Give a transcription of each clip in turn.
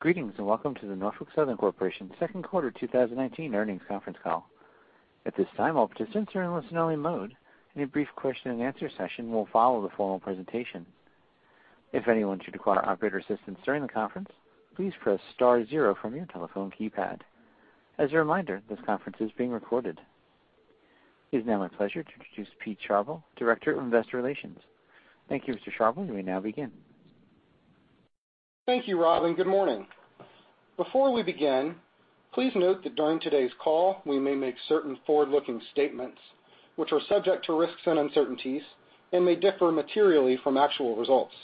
Greetings, and welcome to the Norfolk Southern Corporation second quarter 2019 earnings conference call. At this time, all participants are in listen-only mode. A brief question-and-answer session will follow the formal presentation. If anyone should require operator assistance during the conference, please press star zero from your telephone keypad. As a reminder, this conference is being recorded. It is now my pleasure to introduce Pete Sharbel, Director of Investor Relations. Thank you, Mr. Sharbel. You may now begin. Thank you, Rob. Good morning. Before we begin, please note that during today's call, we may make certain forward-looking statements which are subject to risks and uncertainties and may differ materially from actual results.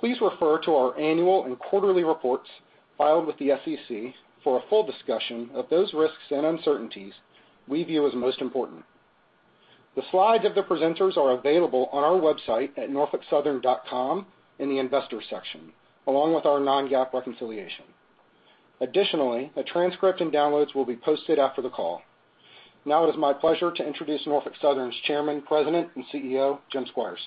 Please refer to our annual and quarterly reports filed with the SEC for a full discussion of those risks and uncertainties we view as most important. The slides of the presenters are available on our website at norfolksouthern.com in the Investors section, along with our non-GAAP reconciliation. Additionally, a transcript and downloads will be posted after the call. It is my pleasure to introduce Norfolk Southern's Chairman, President, and CEO, Jim Squires.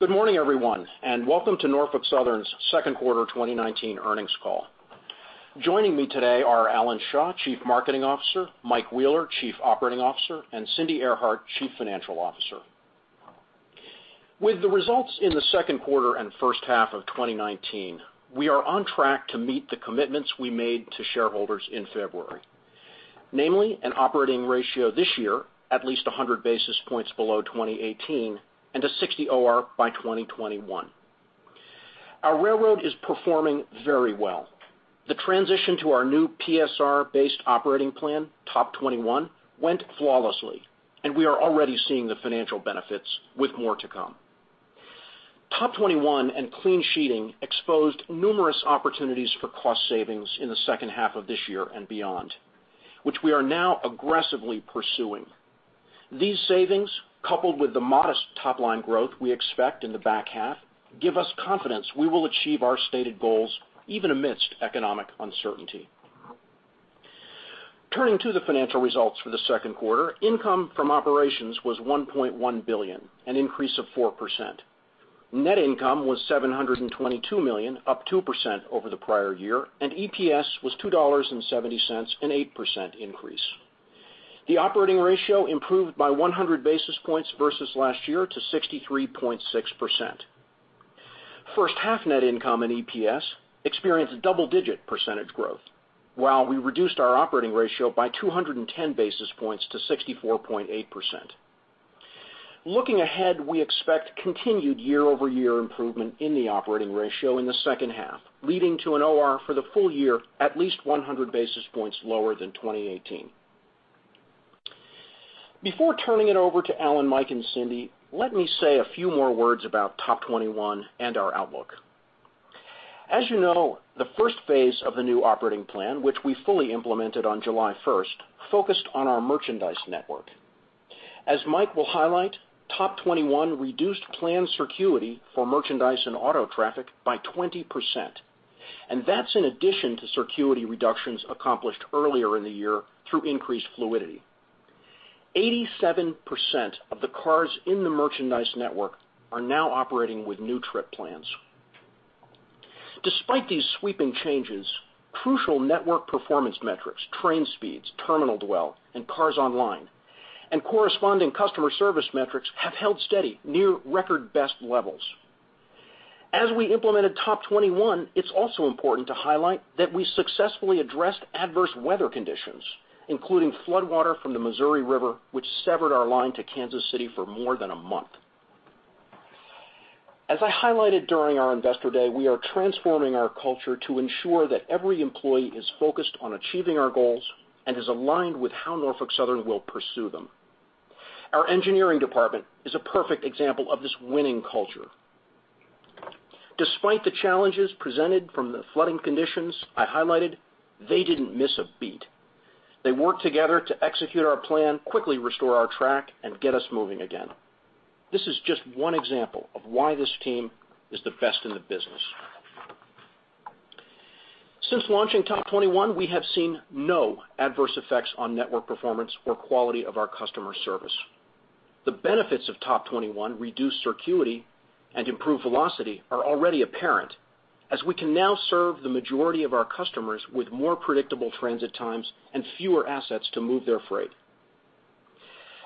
Good morning, everyone, and welcome to Norfolk Southern's second quarter 2019 earnings call. Joining me today are Alan Shaw, Chief Marketing Officer, Mike Wheeler, Chief Operating Officer, and Cindy Earhart, Chief Financial Officer. With the results in the second quarter and first half of 2019, we are on track to meet the commitments we made to shareholders in February, namely an operating ratio this year at least 100 basis points below 2018 and a 60 OR by 2021. Our railroad is performing very well. The transition to our new PSR-based operating plan, TOP21, went flawlessly, and we are already seeing the financial benefits, with more to come. TOP21 and clean sheeting exposed numerous opportunities for cost savings in the second half of this year and beyond, which we are now aggressively pursuing. These savings, coupled with the modest top-line growth we expect in the back half, give us confidence we will achieve our stated goals even amidst economic uncertainty. Turning to the financial results for the second quarter, income from operations was $1.1 billion, an increase of 4%. Net income was $722 million, up 2% over the prior year, and EPS was $2.70, an 8% increase. The operating ratio improved by 100 basis points versus last year to 63.6%. First half net income and EPS experienced double-digit percentage growth, while we reduced our operating ratio by 210 basis points to 64.8%. Looking ahead, we expect continued year-over-year improvement in the operating ratio in the second half, leading to an OR for the full year at least 100 basis points lower than 2018. Before turning it over to Alan, Mike, and Cindy, let me say a few more words about TOP21 and our outlook. As you know, the first phase of the new operating plan, which we fully implemented on July 1st, focused on our merchandise network. As Mike will highlight, TOP21 reduced planned circuity for merchandise and auto traffic by 20%, and that's in addition to circuity reductions accomplished earlier in the year through increased fluidity. 87% of the cars in the merchandise network are now operating with new trip plans. Despite these sweeping changes, crucial network performance metrics, train speeds, terminal dwell, and cars online, and corresponding customer service metrics have held steady near record best levels. As we implemented TOP21, it's also important to highlight that we successfully addressed adverse weather conditions, including floodwater from the Missouri River, which severed our line to Kansas City for more than a month. As I highlighted during our Investor Day, we are transforming our culture to ensure that every employee is focused on achieving our goals and is aligned with how Norfolk Southern will pursue them. Our engineering department is a perfect example of this winning culture. Despite the challenges presented from the flooding conditions I highlighted, they didn't miss a beat. They worked together to execute our plan, quickly restore our track, and get us moving again. This is just one example of why this team is the best in the business. Since launching TOP21, we have seen no adverse effects on network performance or quality of our customer service. The benefits of TOP21, reduced circuity, and improved velocity are already apparent as we can now serve the majority of our customers with more predictable transit times and fewer assets to move their freight.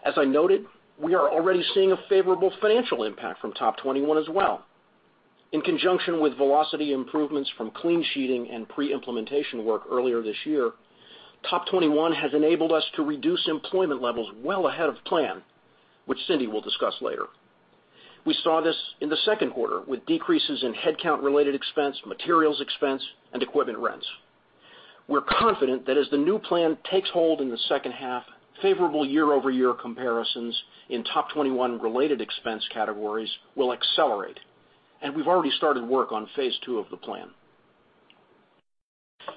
As I noted, we are already seeing a favorable financial impact from TOP21 as well. In conjunction with velocity improvements from clean sheeting and pre-implementation work earlier this year, TOP21 has enabled us to reduce employment levels well ahead of plan, which Cindy will discuss later. We saw this in the second quarter with decreases in headcount-related expense, materials expense, and equipment rents. We're confident that as the new plan takes hold in the second half, favorable year-over-year comparisons in TOP21 related expense categories will accelerate, and we've already started work on phase II of the plan.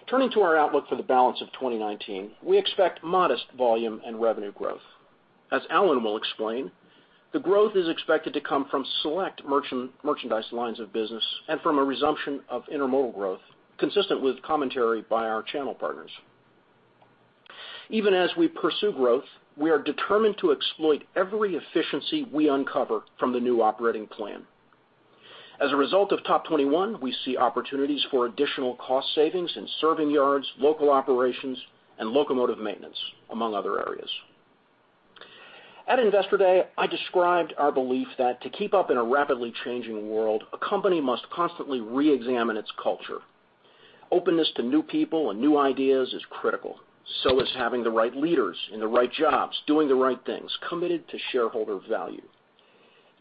Turning to our outlook for the balance of 2019, we expect modest volume and revenue growth. As Alan will explain, the growth is expected to come from select merchandise lines of business and from a resumption of intermodal growth consistent with commentary by our channel partners. Even as we pursue growth, we are determined to exploit every efficiency we uncover from the new operating plan. As a result of TOP21, we see opportunities for additional cost savings in serving yards, local operations, and locomotive maintenance, among other areas. At Investor Day, I described our belief that to keep up in a rapidly changing world, a company must constantly reexamine its culture. Openness to new people and new ideas is critical. Is having the right leaders in the right jobs, doing the right things, committed to shareholder value.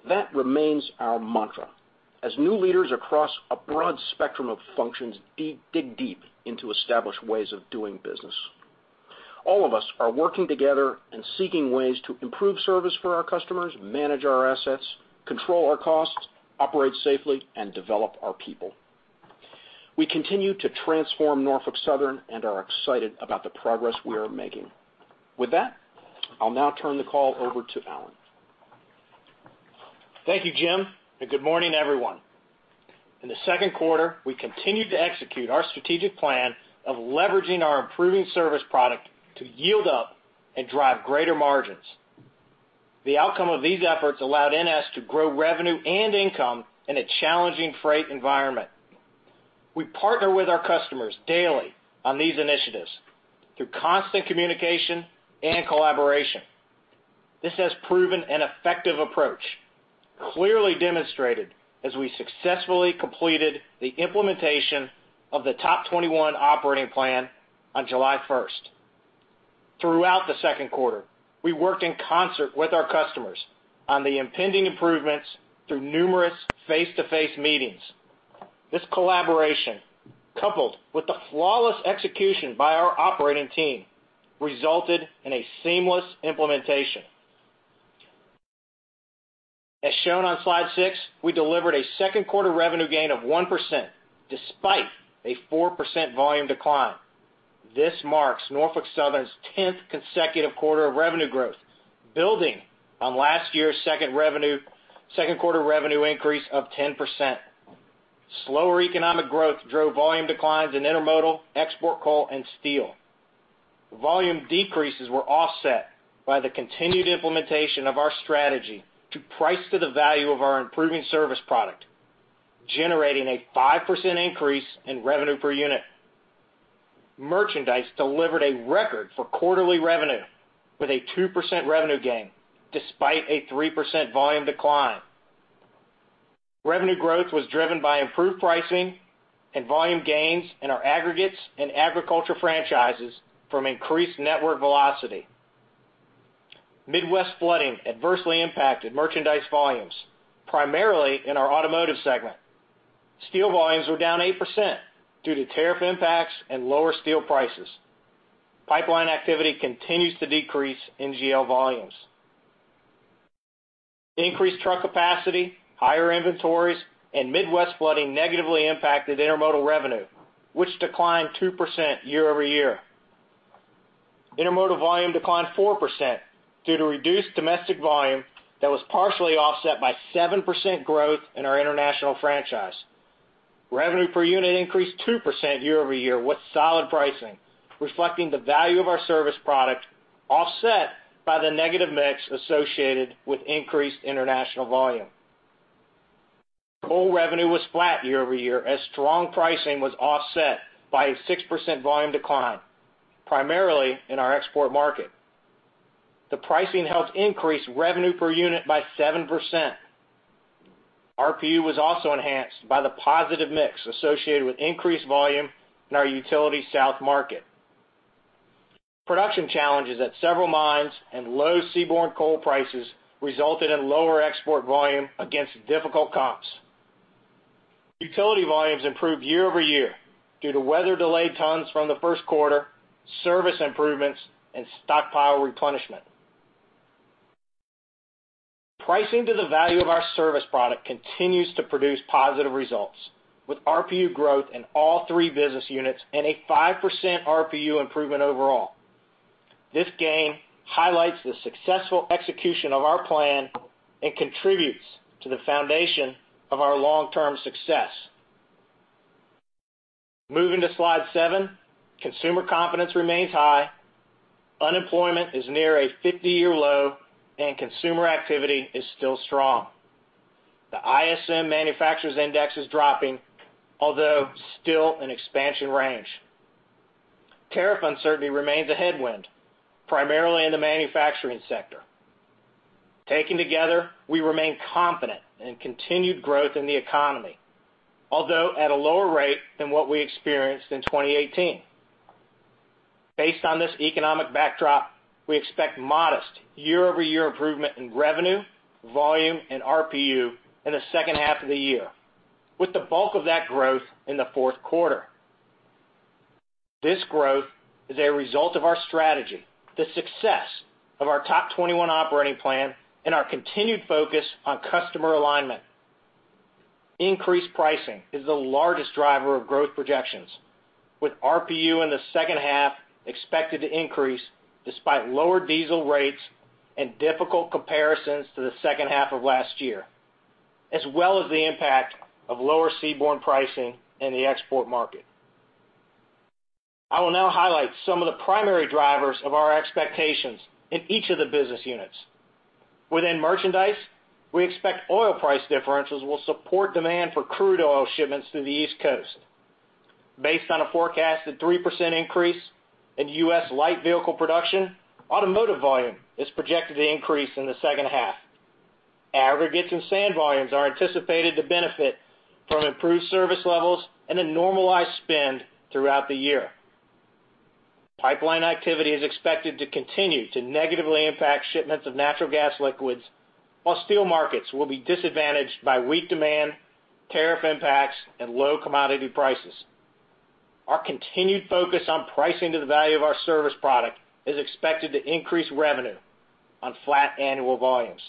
That remains our mantra as new leaders across a broad spectrum of functions dig deep into established ways of doing business. All of us are working together and seeking ways to improve service for our customers, manage our assets, control our costs, operate safely, and develop our people. We continue to transform Norfolk Southern and are excited about the progress we are making. With that, I'll now turn the call over to Alan. Thank you, Jim, and good morning, everyone. In the second quarter, we continued to execute our strategic plan of leveraging our improving service product to yield up and drive greater margins. The outcome of these efforts allowed NS to grow revenue and income in a challenging freight environment. We partner with our customers daily on these initiatives through constant communication and collaboration. This has proven an effective approach, clearly demonstrated as we successfully completed the implementation of the TOP21 operating plan on July 1st. Throughout the second quarter, we worked in concert with our customers on the impending improvements through numerous face-to-face meetings. This collaboration, coupled with the flawless execution by our operating team, resulted in a seamless implementation. As shown on slide six, we delivered a second quarter revenue gain of 1%, despite a 4% volume decline. This marks Norfolk Southern's 10th consecutive quarter of revenue growth, building on last year's second quarter revenue increase of 10%. Slower economic growth drove volume declines in intermodal, export coal, and steel. Volume decreases were offset by the continued implementation of our strategy to price to the value of our improving service product, generating a 5% increase in revenue per unit. Merchandise delivered a record for quarterly revenue with a 2% revenue gain, despite a 3% volume decline. Revenue growth was driven by improved pricing and volume gains in our aggregates and agriculture franchises from increased network velocity. Midwest flooding adversely impacted merchandise volumes, primarily in our automotive segment. Steel volumes were down 8% due to tariff impacts and lower steel prices. Pipeline activity continues to decrease NGL volumes. Increased truck capacity, higher inventories, and Midwest flooding negatively impacted intermodal revenue, which declined 2% year-over-year. Intermodal volume declined 4% due to reduced domestic volume that was partially offset by 7% growth in our international franchise. Revenue per unit increased 2% year-over-year with solid pricing, reflecting the value of our service product offset by the negative mix associated with increased international volume. Coal revenue was flat year-over-year as strong pricing was offset by a 6% volume decline, primarily in our export market. The pricing helped increase revenue per unit by 7%. RPU was also enhanced by the positive mix associated with increased volume in our Utility South market. Production challenges at several mines and low seaborne coal prices resulted in lower export volume against difficult comps. Utility volumes improved year-over-year due to weather-delayed tons from the first quarter, service improvements, and stockpile replenishment. Pricing to the value of our service product continues to produce positive results, with RPU growth in all three business units and a 5% RPU improvement overall. This gain highlights the successful execution of our plan and contributes to the foundation of our long-term success. Moving to slide seven, consumer confidence remains high. Unemployment is near a 50-year low, and consumer activity is still strong. The ISM Manufacturing Index is dropping, although still in expansion range. Tariff uncertainty remains a headwind, primarily in the manufacturing sector. Taken together, we remain confident in continued growth in the economy, although at a lower rate than what we experienced in 2018. Based on this economic backdrop, we expect modest year-over-year improvement in revenue, volume, and RPU in the second half of the year, with the bulk of that growth in the fourth quarter. This growth is a result of our strategy, the success of our TOP21 operating plan, and our continued focus on customer alignment. Increased pricing is the largest driver of growth projections, with RPU in the second half expected to increase despite lower diesel rates and difficult comparisons to the second half of last year, as well as the impact of lower seaborne pricing in the export market. I will now highlight some of the primary drivers of our expectations in each of the business units. Within merchandise, we expect oil price differentials will support demand for crude oil shipments through the East Coast. Based on a forecasted 3% increase in U.S. light vehicle production, automotive volume is projected to increase in the second half. Aggregates and sand volumes are anticipated to benefit from improved service levels and a normalized spend throughout the year. Pipeline activity is expected to continue to negatively impact shipments of Natural Gas Liquids, while steel markets will be disadvantaged by weak demand, tariff impacts, and low commodity prices. Our continued focus on pricing to the value of our service product is expected to increase revenue on flat annual volumes.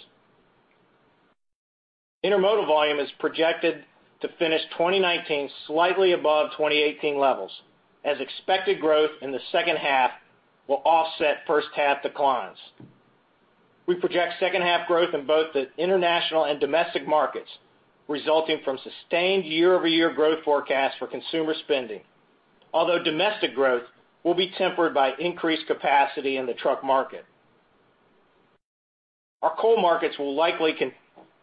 Intermodal volume is projected to finish 2019 slightly above 2018 levels, as expected growth in the second half will offset first-half declines. We project second-half growth in both the international and domestic markets, resulting from sustained year-over-year growth forecasts for consumer spending, although domestic growth will be tempered by increased capacity in the truck market. Our coal markets will likely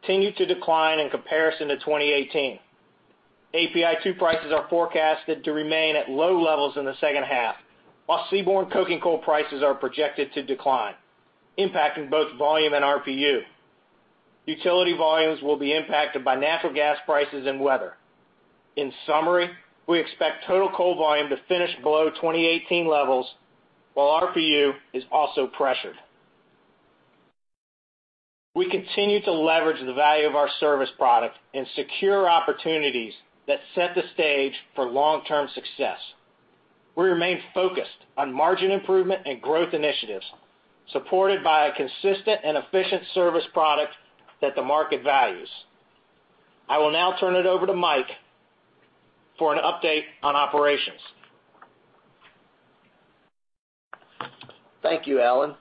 continue to decline in comparison to 2018. API2 prices are forecasted to remain at low levels in the second half, while seaborne coking coal prices are projected to decline, impacting both volume and RPU. Utility volumes will be impacted by natural gas prices and weather. In summary, we expect total coal volume to finish below 2018 levels while RPU is also pressured. We continue to leverage the value of our service product and secure opportunities that set the stage for long-term success. We remain focused on margin improvement and growth initiatives, supported by a consistent and efficient service product that the market values. I will now turn it over to Mike for an update on operations. Thank you, Alan.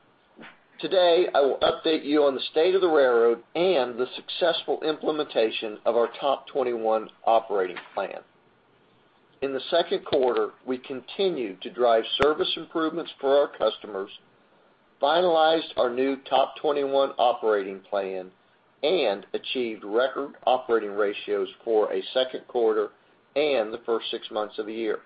Today, I will update you on the state of the railroad and the successful implementation of our TOP21 operating plan. In the second quarter, we continued to drive service improvements for our customers, finalized our new TOP21 operating plan, and achieved record operating ratios for a second quarter and the first six months of the year.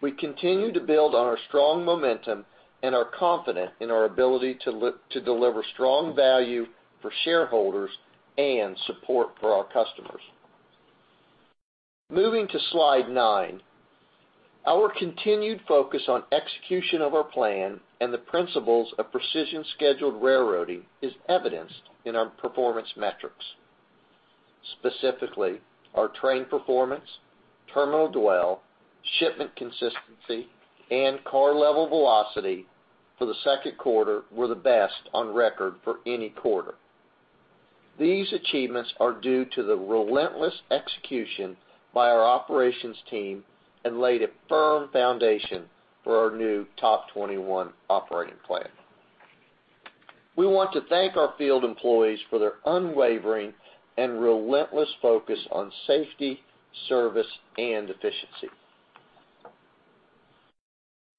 We continue to build on our strong momentum and are confident in our ability to deliver strong value for shareholders and support for our customers. Moving to Slide nine. Our continued focus on execution of our plan and the principles of Precision Scheduled Railroading is evidenced in our performance metrics. Specifically, our train performance, terminal dwell, shipment consistency, and car level velocity for the second quarter were the best on record for any quarter. These achievements are due to the relentless execution by our operations team and laid a firm foundation for our new TOP21 operating plan. We want to thank our field employees for their unwavering and relentless focus on safety, service, and efficiency.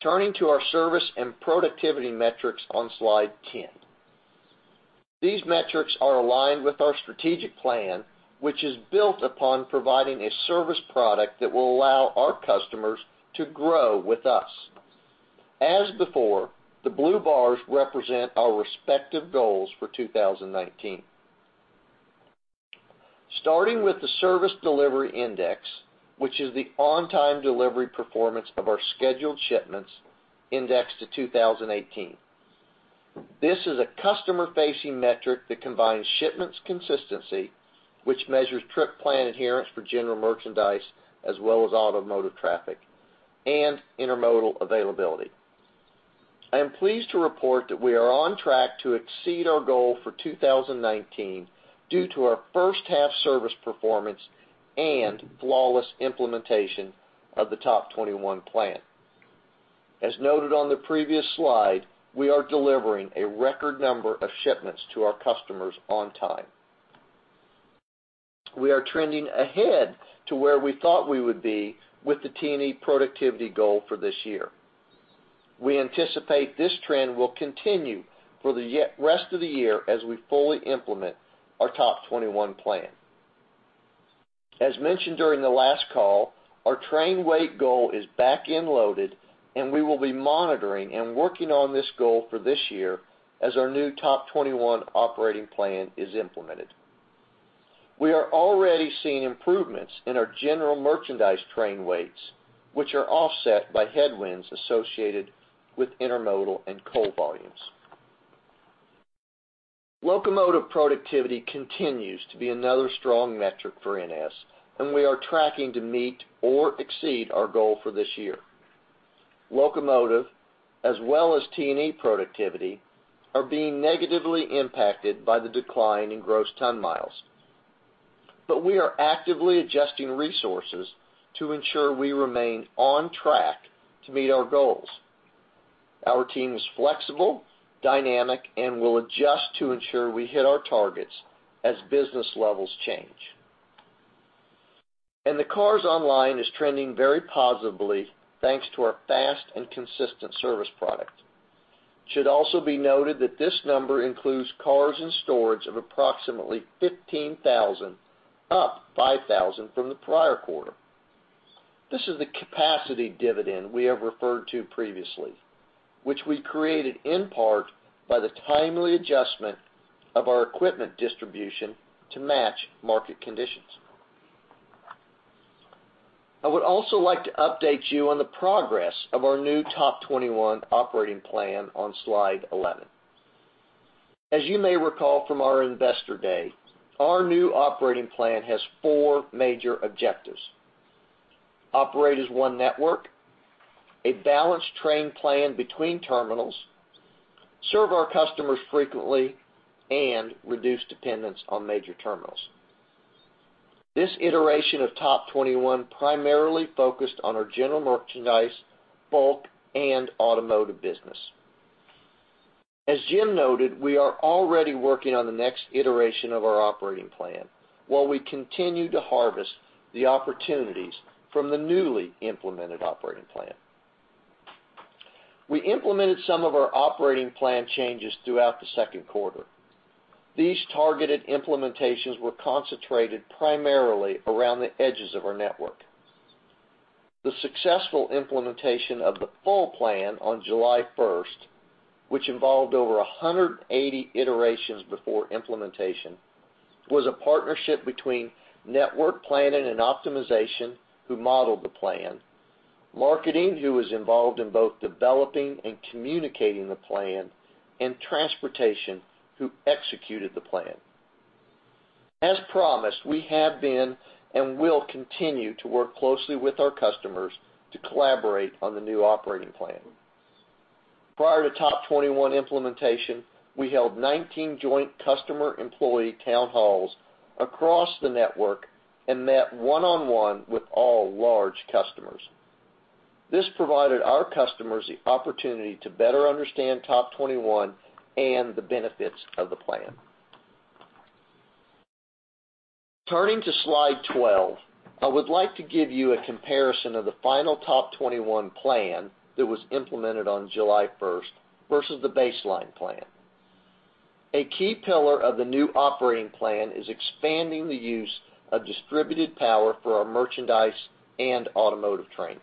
Turning to our service and productivity metrics on Slide 10. These metrics are aligned with our strategic plan, which is built upon providing a service product that will allow our customers to grow with us. As before, the blue bars represent our respective goals for 2019. Starting with the Service Delivery Index, which is the on-time delivery performance of our scheduled shipments indexed to 2018. This is a customer-facing metric that combines shipments consistency, which measures trip plan adherence for general merchandise as well as automotive traffic and intermodal availability. I am pleased to report that we are on track to exceed our goal for 2019 due to our first-half service performance and flawless implementation of the TOP21 plan. As noted on the previous slide, we are delivering a record number of shipments to our customers on time. We are trending ahead to where we thought we would be with the T&E productivity goal for this year. We anticipate this trend will continue for the rest of the year as we fully implement our TOP21 plan. As mentioned during the last call, our train weight goal is back-end loaded, and we will be monitoring and working on this goal for this year as our new TOP21 operating plan is implemented. We are already seeing improvements in our general merchandise train weights, which are offset by headwinds associated with intermodal and coal volumes. Locomotive productivity continues to be another strong metric for NS, and we are tracking to meet or exceed our goal for this year. Locomotive, as well as T&E productivity, are being negatively impacted by the decline in gross ton miles. We are actively adjusting resources to ensure we remain on track to meet our goals. Our team is flexible, dynamic, and will adjust to ensure we hit our targets as business levels change. The cars online is trending very positively thanks to our fast and consistent service product. It should also be noted that this number includes cars in storage of approximately 15,000, up 5,000 from the prior quarter. This is the capacity dividend we have referred to previously, which we created in part by the timely adjustment of our equipment distribution to match market conditions. I would also like to update you on the progress of our new TOP21 operating plan on slide 11. As you may recall from our Investor Day, our new operating plan has four major objectives: operate as one network, a balanced train plan between terminals, serve our customers frequently, and reduce dependence on major terminals. This iteration of TOP21 primarily focused on our general merchandise, bulk, and automotive business. As Jim noted, we are already working on the next iteration of our operating plan, while we continue to harvest the opportunities from the newly implemented operating plan. We implemented some of our operating plan changes throughout the second quarter. These targeted implementations were concentrated primarily around the edges of our network. The successful implementation of the full plan on July 1st, which involved over 180 iterations before implementation, was a partnership between Network Planning and Optimization, who modeled the plan, Marketing, who was involved in both developing and communicating the plan, and Transportation, who executed the plan. As promised, we have been and will continue to work closely with our customers to collaborate on the new operating plan. Prior to TOP21 implementation, we held 19 joint customer-employee town halls across the network and met one-on-one with all large customers. This provided our customers the opportunity to better understand TOP21 and the benefits of the plan. Turning to slide 12, I would like to give you a comparison of the final TOP21 plan that was implemented on July 1st versus the baseline plan. A key pillar of the new operating plan is expanding the use of distributed power for our merchandise and automotive trains.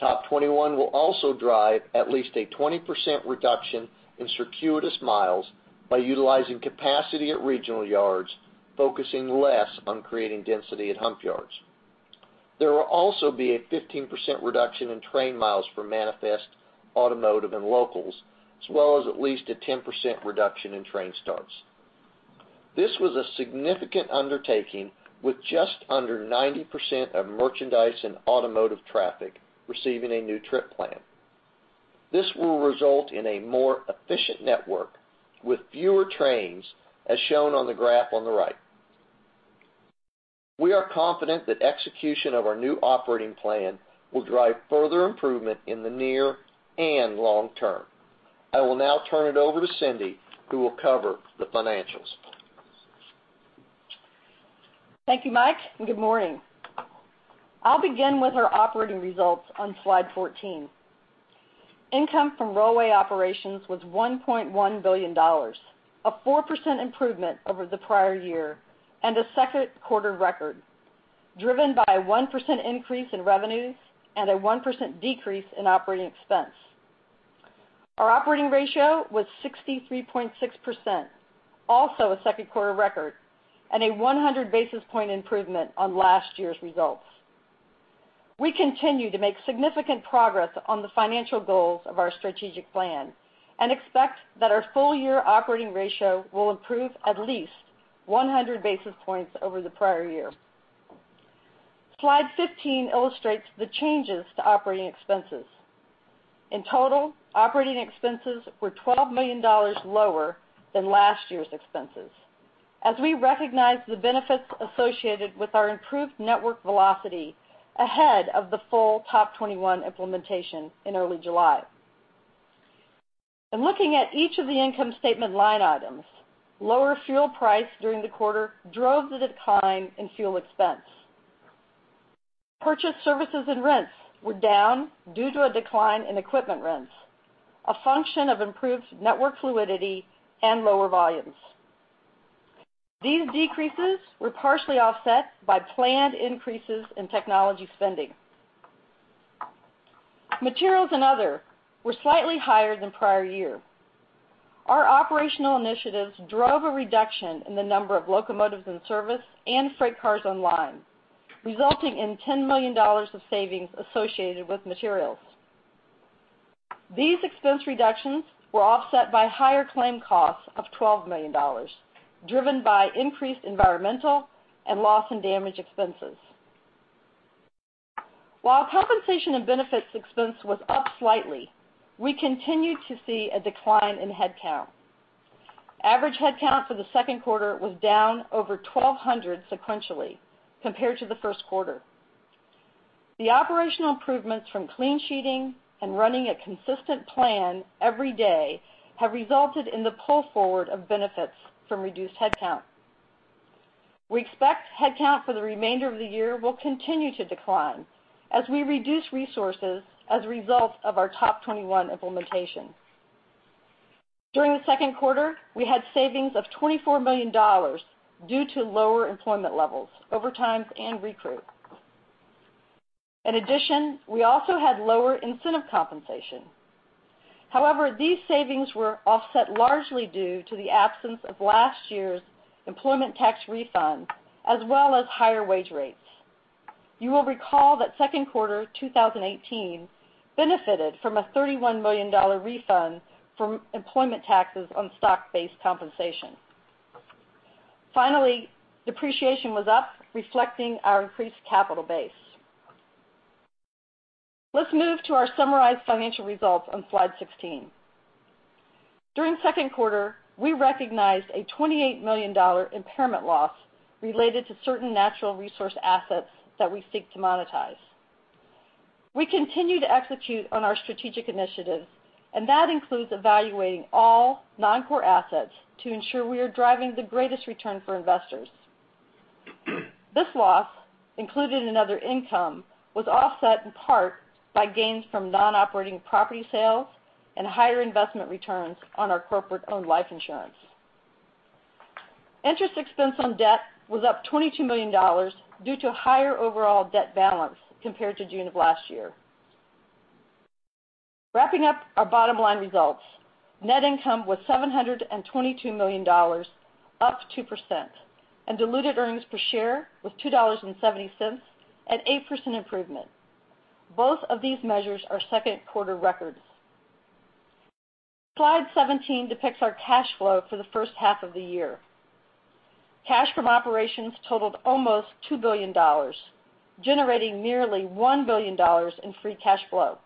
TOP21 will also drive at least a 20% reduction in circuitous miles by utilizing capacity at regional yards, focusing less on creating density at hump yards. There will also be a 15% reduction in train miles for manifest automotive and locals, as well as at least a 10% reduction in train starts. This was a significant undertaking with just under 90% of merchandise and automotive traffic receiving a new trip plan. This will result in a more efficient network with fewer trains, as shown on the graph on the right. We are confident that execution of our new operating plan will drive further improvement in the near and long term. I will now turn it over to Cindy, who will cover the financials. Thank you, Mike. Good morning. I'll begin with our operating results on slide 14. Income from railway operations was $1.1 billion, a 4% improvement over the prior year, and a second quarter record, driven by a 1% increase in revenues and a 1% decrease in operating expense. Our operating ratio was 63.6%, also a second quarter record, and a 100-basis point improvement on last year's results. We continue to make significant progress on the financial goals of our strategic plan and expect that our full year operating ratio will improve at least 100 basis points over the prior year. Slide 15 illustrates the changes to operating expenses. In total, operating expenses were $12 million lower than last year's expenses as we recognize the benefits associated with our improved network velocity ahead of the full TOP21 implementation in early July. In looking at each of the income statement line items, lower fuel price during the quarter drove the decline in fuel expense. Purchased services and rents were down due to a decline in equipment rents, a function of improved network fluidity and lower volumes. These decreases were partially offset by planned increases in technology spending. Materials and other were slightly higher than prior year. Our operational initiatives drove a reduction in the number of locomotives in service and freight cars online, resulting in $10 million of savings associated with materials. These expense reductions were offset by higher claim costs of $12 million, driven by increased environmental and loss in damage expenses. While compensation and benefits expense was up slightly, we continued to see a decline in headcount. Average headcount for the second quarter was down over 1,200 sequentially compared to the first quarter. The operational improvements from clean sheeting and running a consistent plan every day have resulted in the pull forward of benefits from reduced headcount. We expect headcount for the remainder of the year will continue to decline as we reduce resources as a result of our TOP21 implementation. During the second quarter, we had savings of $24 million due to lower employment levels, overtime, and recruit. In addition, we also had lower incentive compensation. However, these savings were offset largely due to the absence of last year's employment tax refund, as well as higher wage rates. You will recall that second quarter 2018 benefited from a $31 million refund from employment taxes on stock-based compensation. Finally, depreciation was up, reflecting our increased capital base. Let's move to our summarized financial results on slide 16. During the second quarter, we recognized a $28 million impairment loss related to certain natural resource assets that we seek to monetize. We continue to execute on our strategic initiatives, and that includes evaluating all non-core assets to ensure we are driving the greatest return for investors. This loss, included in other income, was offset in part by gains from non-operating property sales and higher investment returns on our corporate-owned life insurance. Interest expense on debt was up $22 million due to a higher overall debt balance compared to June of last year. Wrapping up our bottom-line results, net income was $722 million, up 2%, and diluted earnings per share was $2.70, an 8% improvement. Both of these measures are second quarter records. Slide 17 depicts our cash flow for the first half of the year. Cash from operations totaled almost $2 billion, generating nearly $1 billion in free cash flow.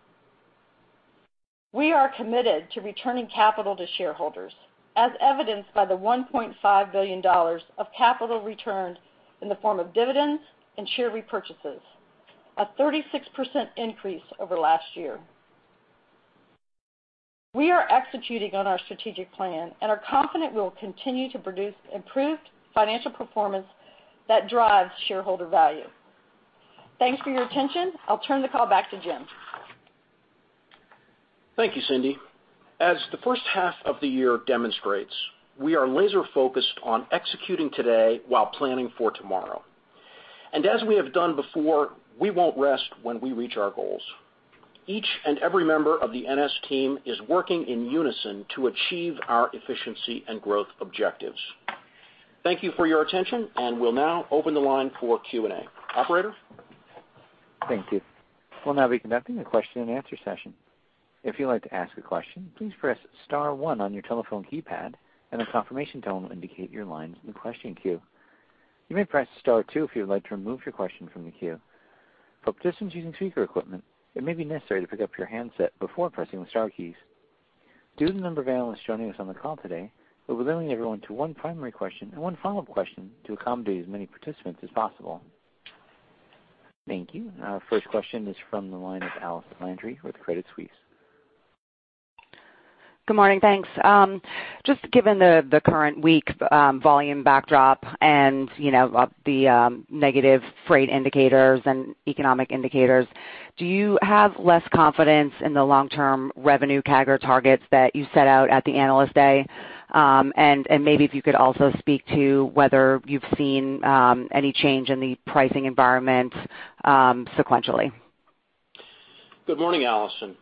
We are committed to returning capital to shareholders, as evidenced by the $1.5 billion of capital returned in the form of dividends and share repurchases, a 36% increase over last year. We are executing on our strategic plan and are confident we will continue to produce improved financial performance that drives shareholder value. Thanks for your attention. I'll turn the call back to Jim. Thank you, Cindy. As the first half of the year demonstrates, we are laser-focused on executing today while planning for tomorrow. As we have done before, we won't rest when we reach our goals. Each and every member of the NS team is working in unison to achieve our efficiency and growth objectives. Thank you for your attention, and we'll now open the line for Q&A. Operator? Thank you. We'll now be conducting a question and answer session. If you'd like to ask a question, please press star one on your telephone keypad, and a confirmation tone will indicate your line is in the question queue. You may press star two if you'd like to remove your question from the queue. For participants using speaker equipment, it may be necessary to pick up your handset before pressing the star keys. Due to the number of analysts joining us on the call today, we'll be limiting everyone to one primary question and one follow-up question to accommodate as many participants as possible. Thank you. Our first question is from the line of Allison Landry with Credit Suisse. Good morning. Thanks. Given the current weak volume backdrop and the negative freight indicators and economic indicators, do you have less confidence in the long-term revenue CAGR targets that you set out at the Analyst Day? Maybe if you could also speak to whether you've seen any change in the pricing environment sequentially. Good morning, Allison.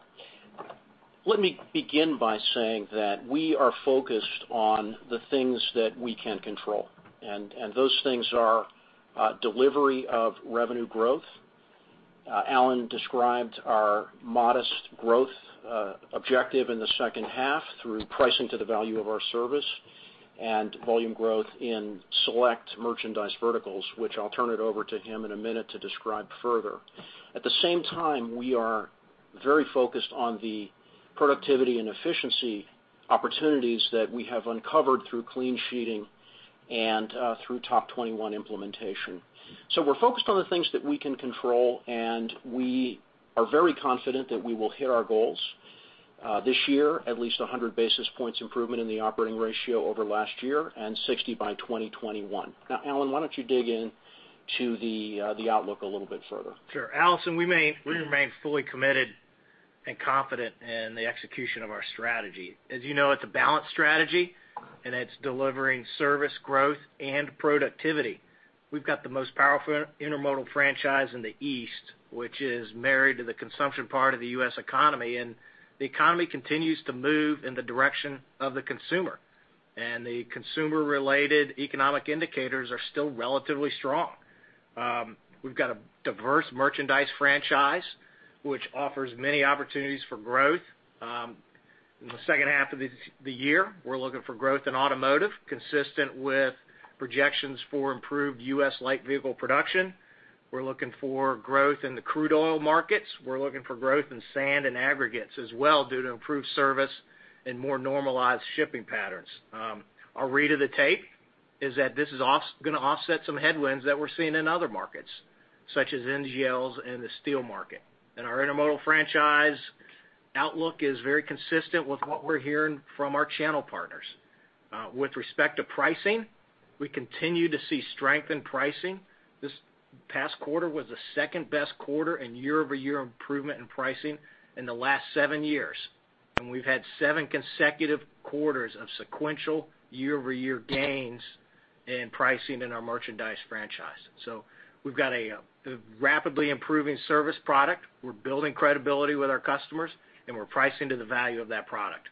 Let me begin by saying that we are focused on the things that we can control, and those things are delivery of revenue growth. Alan described our modest growth objective in the second half through pricing to the value of our service and volume growth in select merchandise verticals, which I'll turn it over to him in a minute to describe further. At the same time, we are very focused on the productivity and efficiency opportunities that we have uncovered through clean sheeting and through TOP21 implementation. We're focused on the things that we can control, and we are very confident that we will hit our goals this year, at least 100 basis points improvement in the operating ratio over last year and 60 by 2021. Alan, why don't you dig into the outlook a little bit further? Sure. Allison, we remain fully committed and confident in the execution of our strategy. As you know, it's a balanced strategy, it's delivering service growth and productivity. We've got the most powerful intermodal franchise in the East, which is married to the consumption part of the U.S. economy. The economy continues to move in the direction of the consumer. The consumer-related economic indicators are still relatively strong. We've got a diverse merchandise franchise, which offers many opportunities for growth. In the second half of the year, we're looking for growth in automotive, consistent with projections for improved U.S. light vehicle production. We're looking for growth in the crude oil markets. We're looking for growth in sand and aggregates as well due to improved service and more normalized shipping patterns. Our read of the tape is that this is going to offset some headwinds that we're seeing in other markets, such as NGLs and the steel market. Our intermodal franchise outlook is very consistent with what we're hearing from our channel partners. With respect to pricing, we continue to see strength in pricing. This past quarter was the second-best quarter in year-over-year improvement in pricing in the last seven years, and we've had seven consecutive quarters of sequential year-over-year gains in pricing in our merchandise franchise. We've got a rapidly improving service product. We're building credibility with our customers, and we're pricing to the value of that product.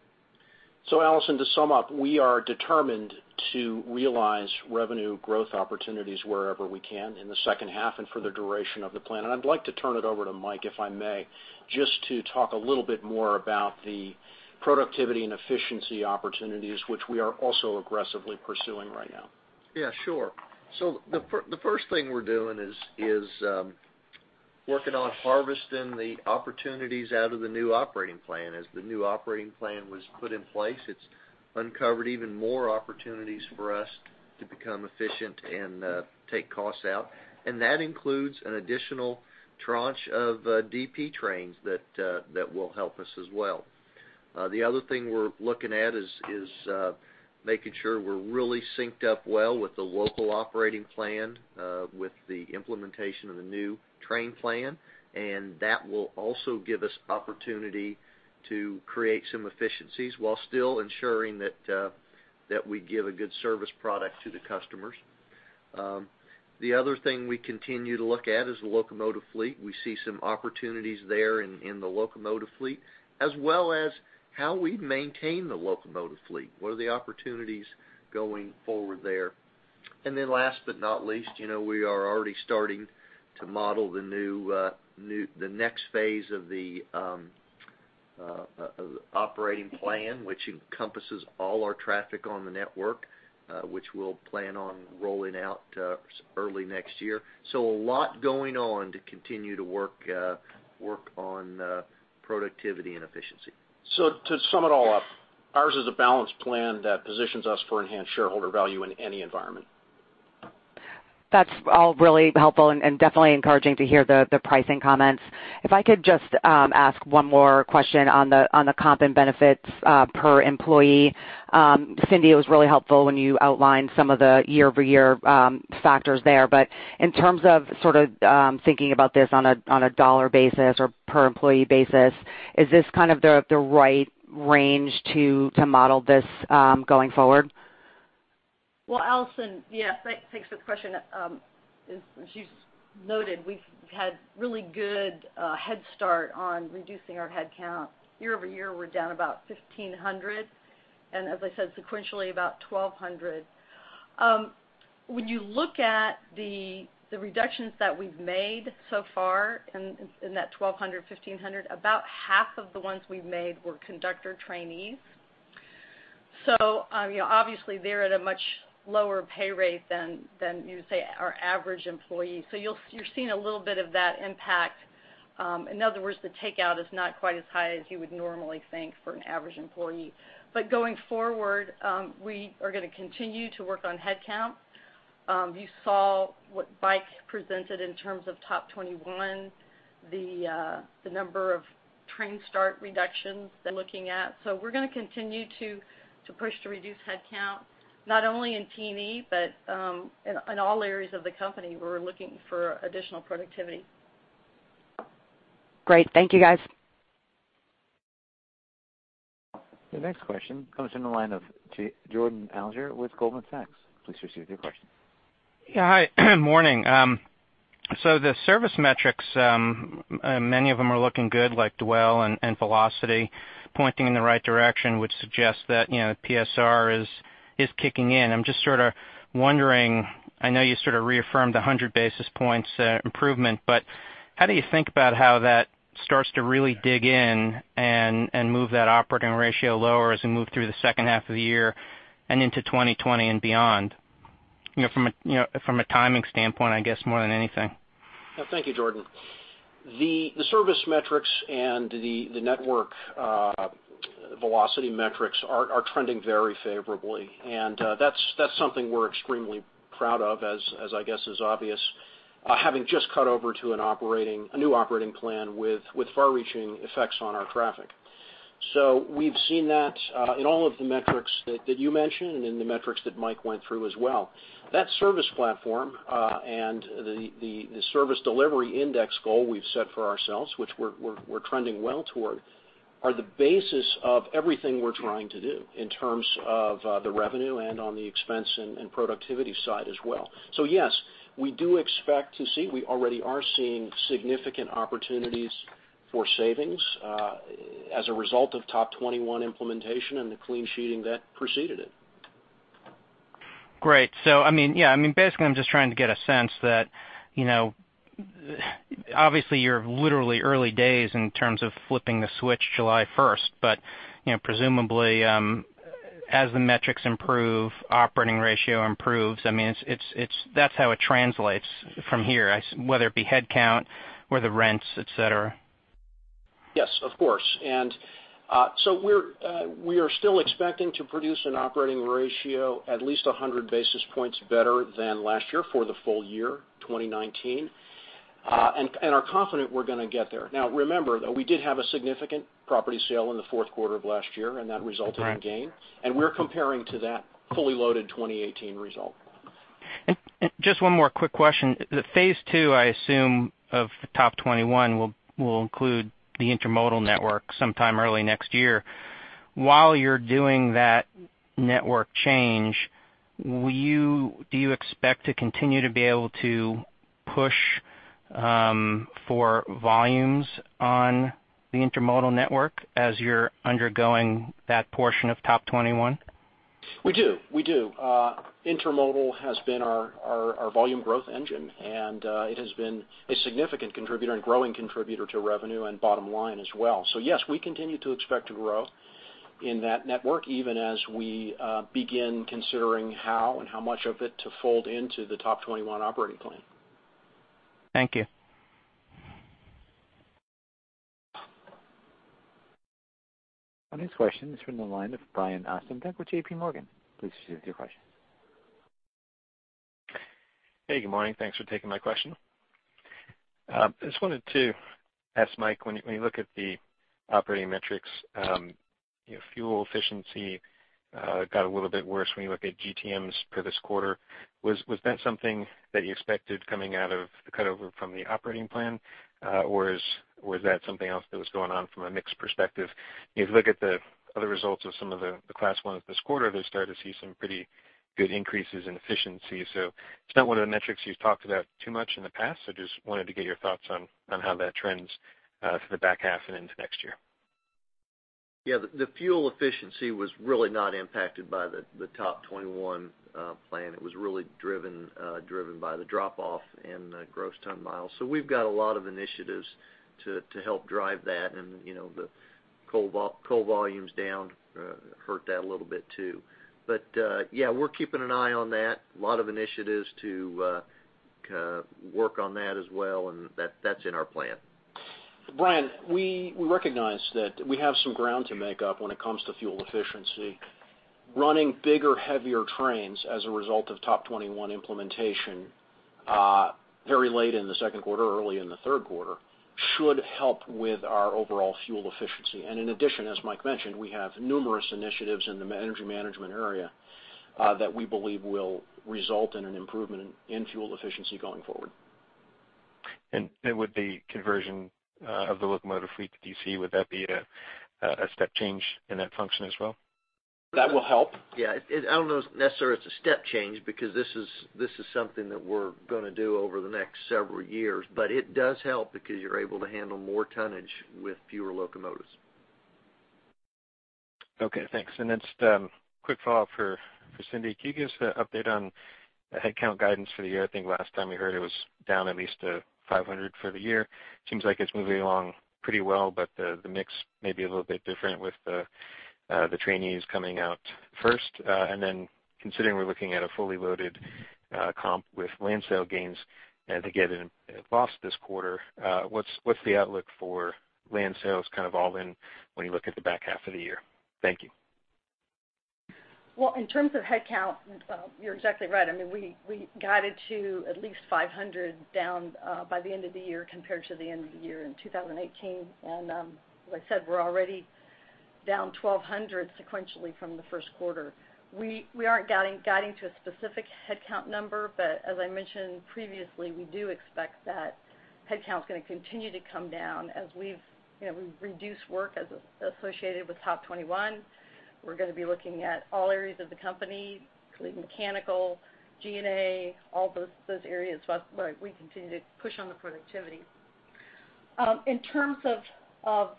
Allison, to sum up, we are determined to realize revenue growth opportunities wherever we can in the second half and for the duration of the plan. I'd like to turn it over to Mike, if I may, just to talk a little bit more about the productivity and efficiency opportunities, which we are also aggressively pursuing right now. Yeah, sure. The first thing we're doing is working on harvesting the opportunities out of the new operating plan. As the new operating plan was put in place, it's uncovered even more opportunities for us to become efficient and take costs out. That includes an additional tranche of DP trains that will help us as well. The other thing we're looking at is making sure we're really synced up well with the local operating plan with the implementation of the new train plan. That will also give us opportunity to create some efficiencies while still ensuring that we give a good service product to the customers. The other thing we continue to look at is the locomotive fleet. We see some opportunities there in the locomotive fleet, as well as how we maintain the locomotive fleet. What are the opportunities going forward there? Last but not least, we are already starting to model the next phase of the operating plan, which encompasses all our traffic on the network, which we'll plan on rolling out early next year. A lot going on to continue to work on productivity and efficiency. To sum it all up, ours is a balanced plan that positions us for enhanced shareholder value in any environment. That's all really helpful and definitely encouraging to hear the pricing comments. If I could just ask one more question on the comp and benefits per employee. Cindy, it was really helpful when you outlined some of the year-over-year factors there. In terms of thinking about this on a dollar basis or per employee basis, is this the right range to model this going forward? Well, Allison, yes. Thanks for the question. As you noted, we've had a really good head start on reducing our headcount. Year-over-year, we're down about 1,500. As I said, sequentially, about 1,200. When you look at the reductions that we've made so far in that 1,200, 1,500, about half of the ones we've made were conductor trainees. Obviously, they're at a much lower pay rate than, you'd say, our average employee. Going forward, we are going to continue to work on headcount. You saw what Mike presented in terms of TOP21, the number of train start reductions they're looking at. We're going to continue to push to reduce headcount, not only in T&E but in all areas of the company, we're looking for additional productivity. Great. Thank you, guys. The next question comes from the line of Jordan Alliger with Goldman Sachs. Please proceed with your question. Yeah. Hi, morning. The service metrics, many of them are looking good, like dwell and velocity pointing in the right direction, which suggests that PSR is kicking in. I'm just wondering, I know you sort of reaffirmed the 100 basis points improvement, but how do you think about how that starts to really dig in and move that operating ratio lower as we move through the second half of the year and into 2020 and beyond? From a timing standpoint, I guess, more than anything. Thank you, Jordan. The service metrics and the network velocity metrics are trending very favorably, and that's something we're extremely proud of, as I guess is obvious, having just cut over to a new operating plan with far-reaching effects on our traffic. We've seen that in all of the metrics that you mentioned and in the metrics that Mike went through as well. That service platform and the Service Delivery Index goal we've set for ourselves, which we're trending well toward, are the basis of everything we're trying to do in terms of the revenue and on the expense and productivity side as well. Yes, we do expect to see, we already are seeing significant opportunities for savings as a result of TOP21 implementation and the clean sheeting that preceded it. Great. Basically, I'm just trying to get a sense that, obviously, you're literally early days in terms of flipping the switch July 1st, but presumably As the metrics improve, operating ratio improves. That's how it translates from here, whether it be headcount or the rents, et cetera. Yes, of course. We are still expecting to produce an operating ratio at least 100 basis points better than last year for the full year 2019, and are confident we're going to get there. Now, remember, though, we did have a significant property sale in the fourth quarter of last year. Correct in gain. We're comparing to that fully loaded 2018 result. Just one more quick question. The phase II, I assume, of the TOP21 will include the intermodal network sometime early next year. While you're doing that network change, do you expect to continue to be able to push for volumes on the intermodal network as you're undergoing that portion of TOP21? We do. Intermodal has been our volume growth engine, and it has been a significant contributor and growing contributor to revenue and bottom line as well. Yes, we continue to expect to grow in that network even as we begin considering how and how much of it to fold into the TOP21 operating plan. Thank you. Our next question is from the line of Brian Ossenbeck with J.P. Morgan. Please proceed with your question. Hey, good morning. Thanks for taking my question. I just wanted to ask Mike, when you look at the operating metrics, fuel efficiency got a little bit worse when you look at GTMs for this quarter. Was that something that you expected coming out of the cutover from the operating plan, or was that something else that was going on from a mix perspective? You look at the other results of some of the Class Is this quarter, they're starting to see some pretty good increases in efficiency. It's not one of the metrics you've talked about too much in the past, just wanted to get your thoughts on how that trends for the back half and into next year. Yeah, the fuel efficiency was really not impacted by the TOP21 plan. It was really driven by the drop-off in the gross ton miles. We've got a lot of initiatives to help drive that, and the coal volumes down hurt that a little bit, too. Yeah, we're keeping an eye on that. A lot of initiatives to work on that as well, and that's in our plan. Brian, we recognize that we have some ground to make up when it comes to fuel efficiency. Running bigger, heavier trains as a result of TOP21 implementation very late in the second quarter, early in the third quarter, should help with our overall fuel efficiency. In addition, as Mike mentioned, we have numerous initiatives in the energy management area that we believe will result in an improvement in fuel efficiency going forward. Would the conversion of the locomotive fleet to DC, would that be a step change in that function as well? That will help. Yeah. I don't know if necessarily it's a step change because this is something that we're going to do over the next several years, but it does help because you're able to handle more tonnage with fewer locomotives. Okay, thanks. Just a quick follow-up for Cindy. Can you give us an update on the headcount guidance for the year? I think last time we heard it was down at least to 500 for the year. Seems like it's moving along pretty well, but the mix may be a little bit different with the trainees coming out first. Considering we're looking at a fully loaded comp with land sale gains to get a loss this quarter, what's the outlook for land sales kind of all in when you look at the back half of the year? Thank you. Well, in terms of headcount, you're exactly right. We guided to at least 500 down by the end of the year compared to the end of the year in 2018. Like I said, we're already down 1,200 sequentially from the first quarter. We aren't guiding to a specific headcount number, as I mentioned previously, we do expect that headcount is going to continue to come down as we reduce work associated with TOP21. We're going to be looking at all areas of the company, including mechanical, G&A, all those areas where we continue to push on the productivity. In terms of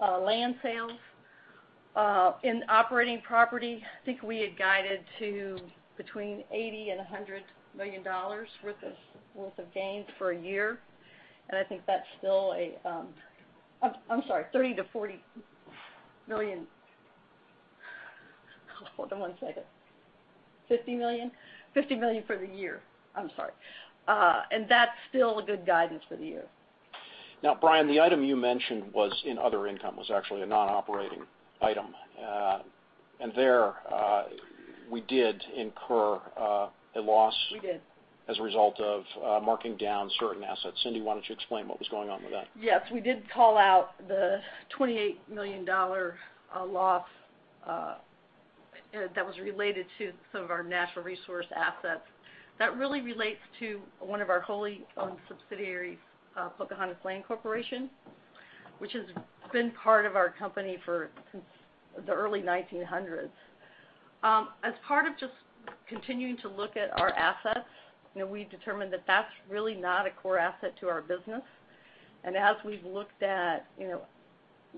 land sales in operating property, I think we had guided to between $80 and $100 million worth of gains for a year. I think that's still a I'm sorry, $30 to 40 million. Hold on one second. $50 million? $50 million for the year. I'm sorry. That's still a good guidance for the year. Now, Brian, the item you mentioned was in other income, was actually a non-operating item. There, we did incur a loss. We did. as a result of marking down certain assets. Cindy, why don't you explain what was going on with that? Yes, we did call out the $28 million loss that was related to some of our natural resource assets. That really relates to one of our wholly owned subsidiaries, Pocahontas Land Corporation, which has been part of our company since the early 1900s. As part of just continuing to look at our assets, we determined that that's really not a core asset to our business. As we've looked at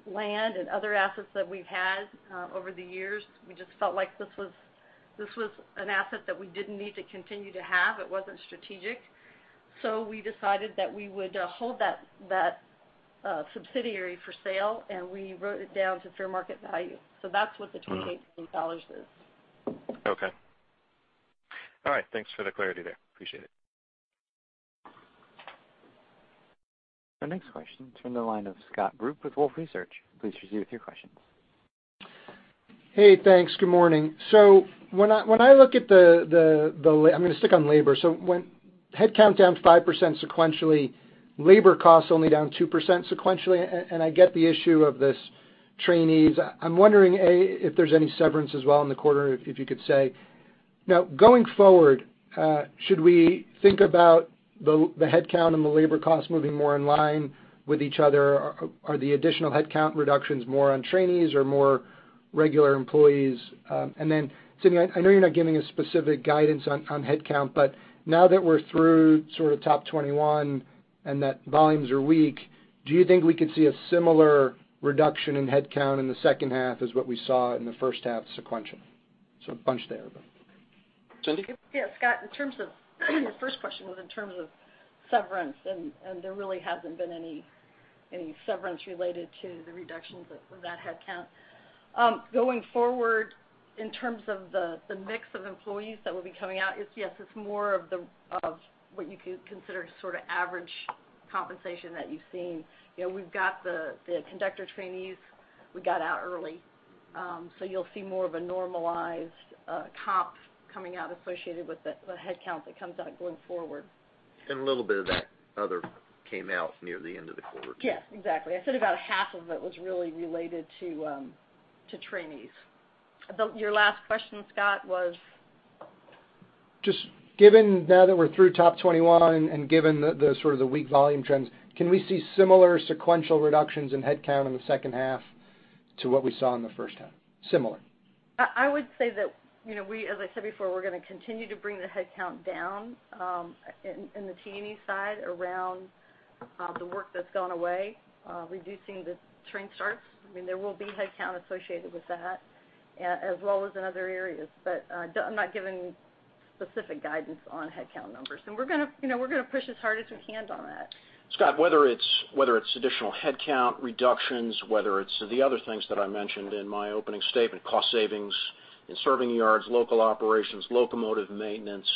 land and other assets that we've had over the years, we just felt like this was an asset that we didn't need to continue to have. It wasn't strategic. We decided that we would hold that subsidiary for sale, and we wrote it down to fair market value. That's what the $28 million is. Okay. All right. Thanks for the clarity there. Appreciate it. Our next question is from the line of Scott Group with Wolfe Research. Please proceed with your questions. Hey, thanks. Good morning. I'm going to stick on labor. When headcount down 5% sequentially, labor costs only down 2% sequentially, I get the issue of these trainees. I'm wondering, if there's any severance as well in the quarter, if you could say. Going forward, should we think about the headcount and the labor costs moving more in line with each other? Are the additional headcount reductions more on trainees or more regular employees? Cindy, I know you're not giving a specific guidance on headcount, but now that we're through sort of TOP21 and that volumes are weak, do you think we could see a similar reduction in headcount in the second half as what we saw in the first half sequentially? A bunch there, but Cindy? Yeah, Scott, the first question was in terms of severance, and there really hasn't been any severance related to the reductions of that headcount. Going forward, in terms of the mix of employees that will be coming out, yes, it's more of what you could consider sort of average compensation that you've seen. We've got the conductor trainees we got out early, so you'll see more of a normalized comp coming out associated with the headcount that comes out going forward. A little bit of that other came out near the end of the quarter. Exactly. I said about half of it was really related to trainees. Your last question, Scott, was? Just given now that we're through TOP21 and given the sort of the weak volume trends, can we see similar sequential reductions in headcount in the second half to what we saw in the first half? Similar? I would say that, as I said before, we're going to continue to bring the headcount down in the trainee side around the work that's gone away, reducing the train starts. There will be headcount associated with that as well as in other areas. I'm not giving specific guidance on headcount numbers. We're going to push as hard as we can on that. Scott, whether it's additional headcount reductions, whether it's the other things that I mentioned in my opening statement, cost savings in serving yards, local operations, locomotive maintenance,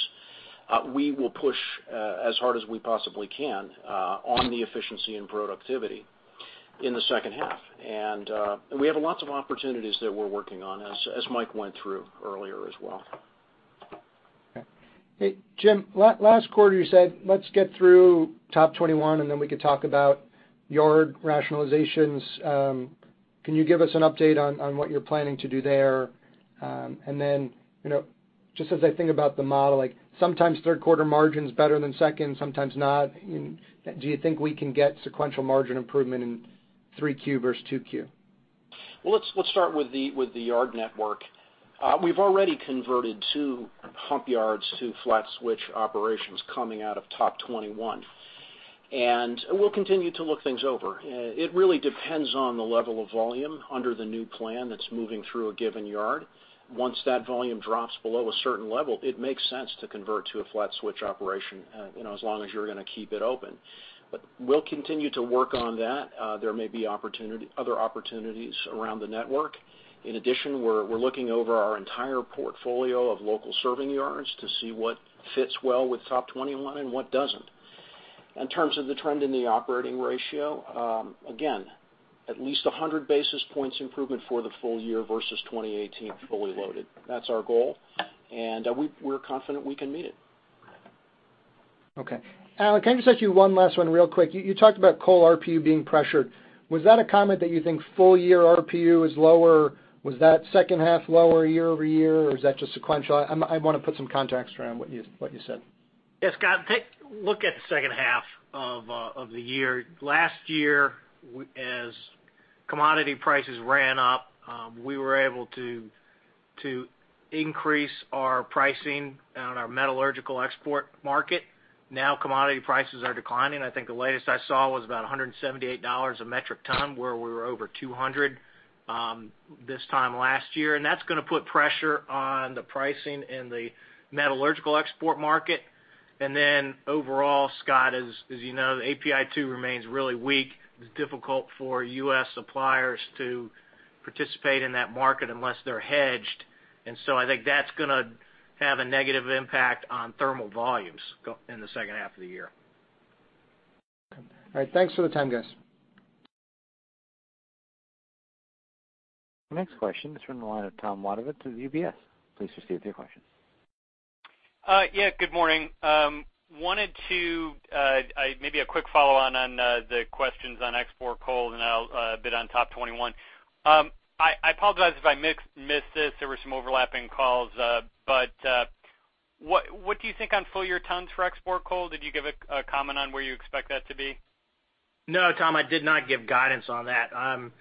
we will push as hard as we possibly can on the efficiency and productivity in the second half. We have lots of opportunities that we're working on, as Mike went through earlier as well. Okay. Hey, Jim, last quarter you said, let's get through TOP21 and then we can talk about yard rationalizations. Can you give us an update on what you're planning to do there? Just as I think about the model, like sometimes third quarter margin's better than second, sometimes not. Do you think we can get sequential margin improvement in three Q versus two Q? Well, let's start with the yard network. We've already converted two hump yards to flat switch operations coming out of TOP21, and we'll continue to look things over. It really depends on the level of volume under the new plan that's moving through a given yard. Once that volume drops below a certain level, it makes sense to convert to a flat switch operation, as long as you're going to keep it open. We'll continue to work on that. There may be other opportunities around the network. In addition, we're looking over our entire portfolio of local serving yards to see what fits well with TOP21 and what doesn't. In terms of the trend in the operating ratio, again, at least 100 basis points improvement for the full year versus 2018 fully loaded. That's our goal, and we're confident we can meet it. Okay. Alan, can I just ask you one last one real quick? You talked about coal RPU being pressured. Was that a comment that you think full year RPU is lower? Was that second half lower year-over-year, or is that just sequential? I want to put some context around what you said. Yes, Scott, look at the second half of the year. Last year, as commodity prices ran up, we were able to increase our pricing on our metallurgical export market. Commodity prices are declining. I think the latest I saw was about $178 a metric ton, where we were over 200 this time last year, that's going to put pressure on the pricing in the metallurgical export market. Overall, Scott, as you know, API2 remains really weak. It's difficult for U.S. suppliers to participate in that market unless they're hedged. I think that's going to have a negative impact on thermal volumes in the second half of the year. Okay. All right. Thanks for the time, guys. Next question is from the line of Tom Wadewitz of UBS. Please proceed with your question. Yeah, good morning. Wanted to, maybe a quick follow-on on the questions on export coal. I'll bid on TOP21. I apologize if I missed this, there were some overlapping calls. What do you think on full year tons for export coal? Did you give a comment on where you expect that to be? No, Tom, I did not give guidance on that. I'm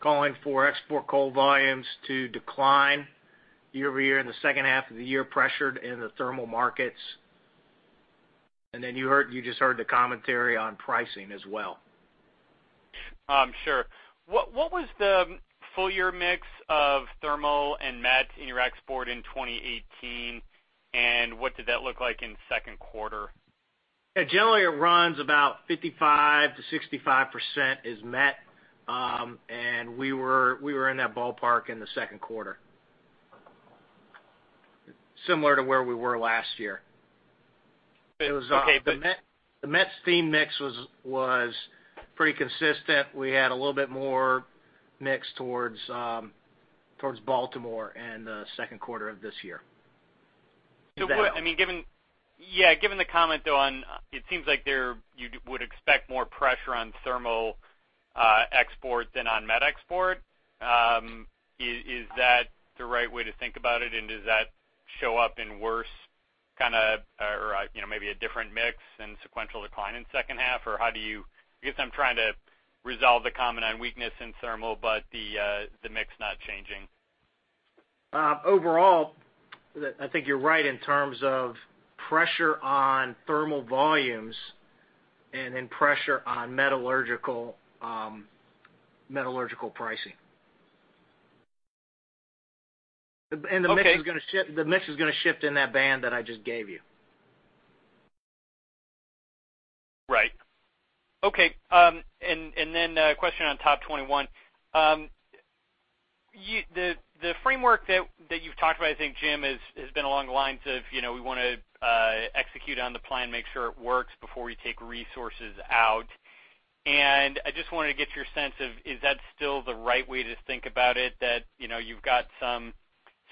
calling for export coal volumes to decline year-over-year in the second half of the year, pressured in the thermal markets. You just heard the commentary on pricing as well. Sure. What was the full year mix of thermal and met in your export in 2018, and what did that look like in second quarter? Generally, it runs about 55% to 65% is met, we were in that ballpark in the second quarter, similar to where we were last year. Okay. The met steam mix was pretty consistent. We had a little bit more mix towards Baltimore in the second quarter of this year. Yeah, given the comment, though, it seems like you would expect more pressure on thermal export than on met export. Is that the right way to think about it? Does that show up in worse or maybe a different mix than sequential decline in second half? I guess I'm trying to resolve the comment on weakness in thermal, but the mix not changing. I think you're right in terms of pressure on thermal volumes and in pressure on metallurgical pricing. Okay. The mix is going to shift in that band that I just gave you. Right. Okay. A question on TOP21. The framework that you've talked about, I think, Jim, has been along the lines of we want to execute on the plan, make sure it works before we take resources out. I just wanted to get your sense of, is that still the right way to think about it? That you've got some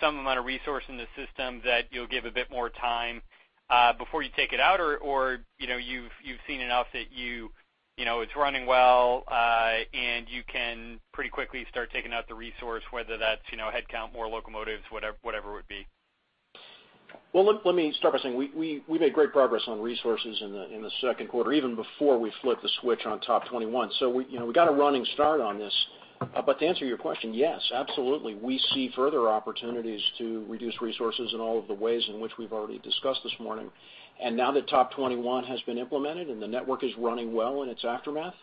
amount of resource in the system that you'll give a bit more time before you take it out, or you've seen enough that it's running well, and you can pretty quickly start taking out the resource, whether that's headcount, more locomotives, whatever it would be. Let me start by saying, we made great progress on resources in the second quarter, even before we flipped the switch on TOP21. We got a running start on this. To answer your question, yes, absolutely. We see further opportunities to reduce resources in all of the ways in which we've already discussed this morning. Now that TOP21 has been implemented and the network is running well in its aftermath,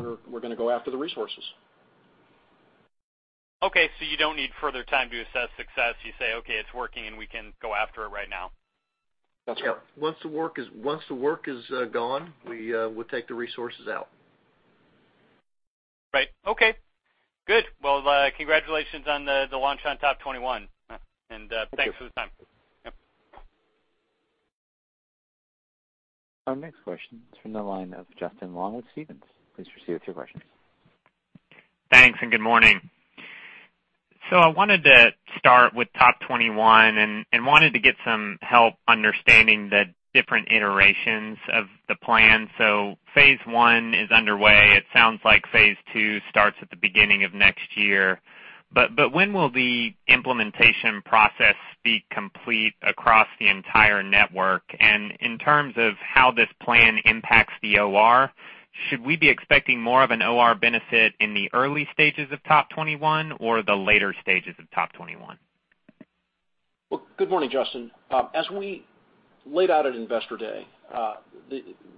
we're going to go after the resources. Okay, you don't need further time to assess success. You say, "Okay, it's working, and we can go after it right now. That's correct. Yeah. Once the work is gone, we'll take the resources out. Right. Okay, good. Well, congratulations on the launch on TOP21. Thank you. Thanks for the time. Yep. Our next question is from the line of Justin Long with Stephens. Please proceed with your questions. Thanks, and good morning. I wanted to start with TOP21 and wanted to get some help understanding the different iterations of the plan. Phase I is underway. It sounds like phase 2 starts at the beginning of next year. When will the implementation process be complete across the entire network? In terms of how this plan impacts the OR, should we be expecting more of an OR benefit in the early stages of TOP21 or the later stages of TOP21? Good morning, Justin. As we laid out at Investor Day,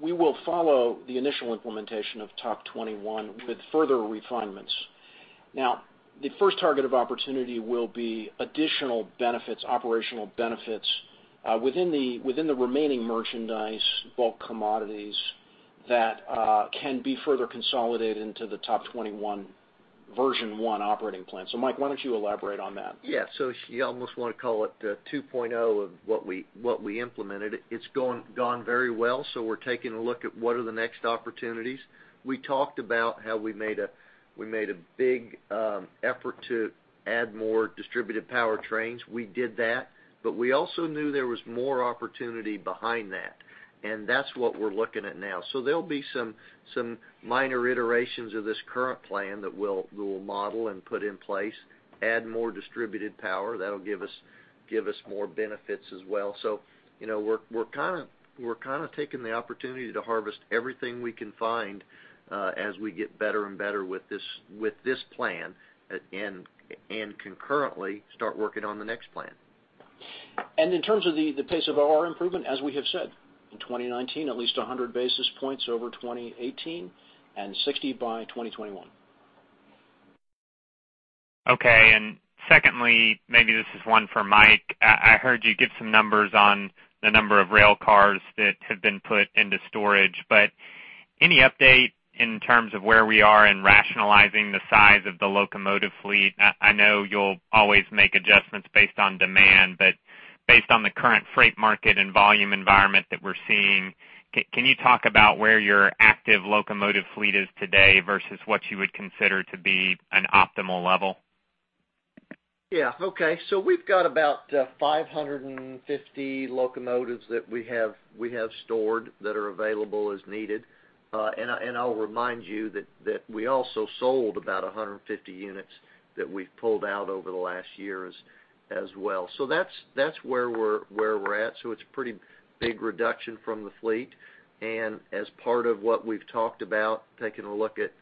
we will follow the initial implementation of TOP21 with further refinements. The first target of opportunity will be additional benefits, operational benefits within the remaining merchandise bulk commodities that can be further consolidated into the TOP21 version 1 operating plan. Mike, why don't you elaborate on that? Yeah. You almost want to call it 2.0 of what we implemented. It's gone very well, so we're taking a look at what are the next opportunities. We talked about how we made a big effort to add more distributed power trains. We did that, but we also knew there was more opportunity behind that, and that's what we're looking at now. There'll be some minor iterations of this current plan that we'll model and put in place, add more distributed power, that'll give us more benefits as well. We're kind of taking the opportunity to harvest everything we can find as we get better and better with this plan and concurrently start working on the next plan. In terms of the pace of OR improvement, as we have said, in 2019, at least 100 basis points over 2018 and 60 by 2021. Okay. Secondly, maybe this is one for Mike. I heard you give some numbers on the number of rail cars that have been put into storage. Any update in terms of where we are in rationalizing the size of the locomotive fleet? I know you'll always make adjustments based on demand, but based on the current freight market and volume environment that we're seeing, can you talk about where your active locomotive fleet is today versus what you would consider to be an optimal level? Yeah. Okay. We've got about 550 locomotives that we have stored that are available as needed. I'll remind you that we also sold about 150 units that we've pulled out over the last year as well. That's where we're at. It's pretty big reduction from the fleet. As part of what we've talked about, taking a look at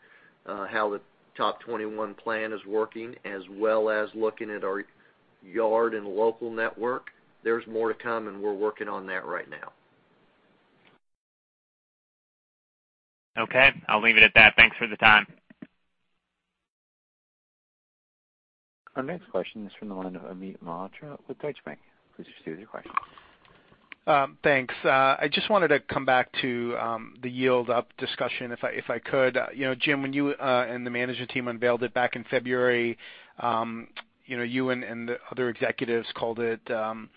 how the TOP21 plan is working, as well as looking at our yard and local network, there's more to come, and we're working on that right now. Okay. I'll leave it at that. Thanks for the time. Our next question is from the line of Amit Mehrotra with Deutsche Bank. Please proceed with your question. Thanks. I just wanted to come back to the yield up discussion, if I could. Jim, when you and the management team unveiled it back in February, you and the other executives called it an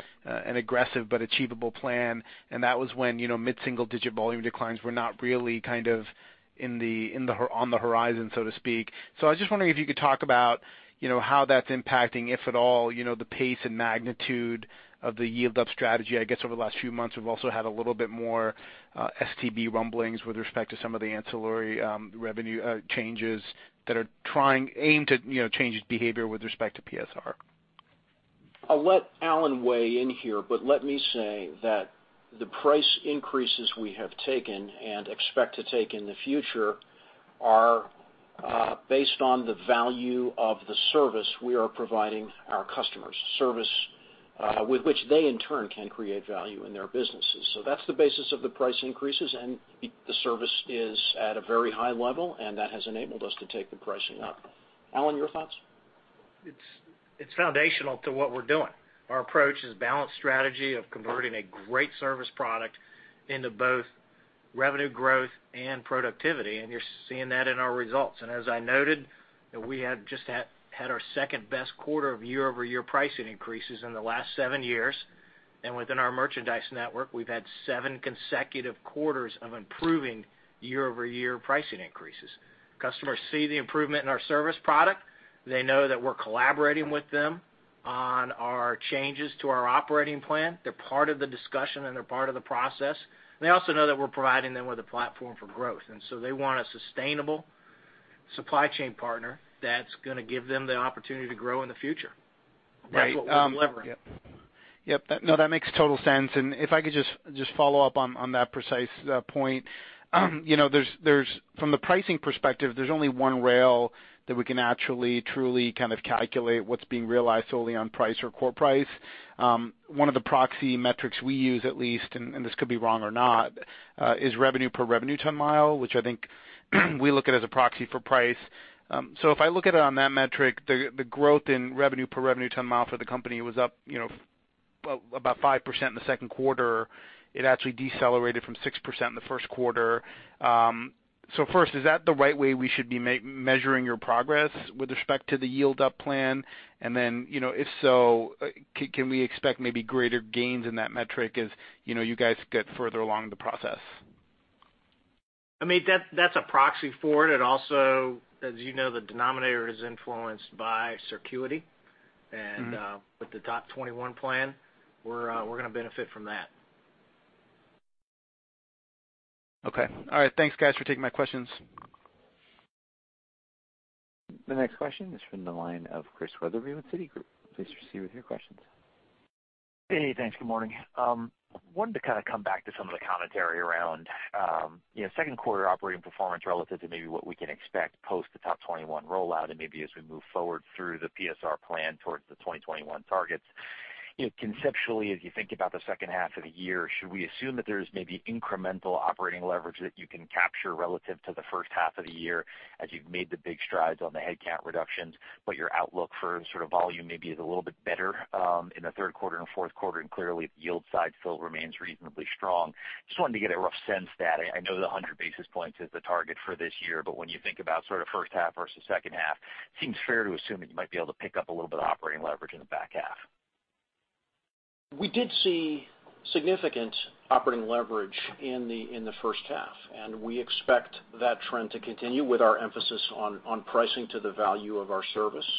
aggressive but achievable plan, and that was when mid-single-digit volume declines were not really on the horizon, so to speak. I was just wondering if you could talk about how that's impacting, if at all, the pace and magnitude of the yield up strategy. I guess over the last few months, we've also had a little bit more STB rumblings with respect to some of the ancillary revenue changes that are trying aim to change behavior with respect to PSR. I'll let Alan weigh in here. Let me say that the price increases we have taken and expect to take in the future are based on the value of the service we are providing our customers. Service with which they in turn can create value in their businesses. That's the basis of the price increases, and the service is at a very high level, and that has enabled us to take the pricing up. Alan, your thoughts? It's foundational to what we're doing. Our approach is balanced strategy of converting a great service product into both revenue growth and productivity, and you're seeing that in our results. As I noted, that we have just had our second-best quarter of year-over-year pricing increases in the last seven years. Within our merchandise network, we've had seven consecutive quarters of improving year-over-year pricing increases. Customers see the improvement in our service product. They know that we're collaborating with them on our changes to our operating plan. They're part of the discussion, and they're part of the process. They also know that we're providing them with a platform for growth, and so they want a sustainable supply chain partner that's going to give them the opportunity to grow in the future. Right. That's what we're delivering. Yep. No, that makes total sense. If I could just follow up on that precise point. From the pricing perspective, there's only one rail that we can actually truly calculate what's being realized solely on price or core price. One of the proxy metrics we use at least, and this could be wrong or not, is revenue per revenue ton mile, which I think we look at as a proxy for price. If I look at it on that metric, the growth in revenue per revenue ton mile for the company was up about 5% in the second quarter. It actually decelerated from 6% in the first quarter. First, is that the right way we should be measuring your progress with respect to the yield up plan? If so, can we expect maybe greater gains in that metric as you guys get further along in the process? Amit, that's a proxy for it. As you know, the denominator is influenced by circuity. With the TOP21 plan, we're going to benefit from that. Okay. All right. Thanks, guys, for taking my questions. The next question is from the line of Chris Wetherbee with Citigroup. Please proceed with your questions. Hey, thanks. Good morning. Wanted to come back to some of the commentary around second quarter operating performance relative to maybe what we can expect post the TOP21 rollout and maybe as we move forward through the PSR plan towards the 2021 targets. Conceptually, as you think about the second half of the year, should we assume that there's maybe incremental operating leverage that you can capture relative to the first half of the year as you've made the big strides on the headcount reductions, but your outlook for volume maybe is a little bit better in the third quarter and fourth quarter, and clearly the yield side still remains reasonably strong? Just wanted to get a rough sense that I know the 100 basis points is the target for this year, but when you think about first half versus second half, it seems fair to assume that you might be able to pick up a little bit of operating leverage in the back half. We did see significant operating leverage in the first half. We expect that trend to continue with our emphasis on pricing to the value of our service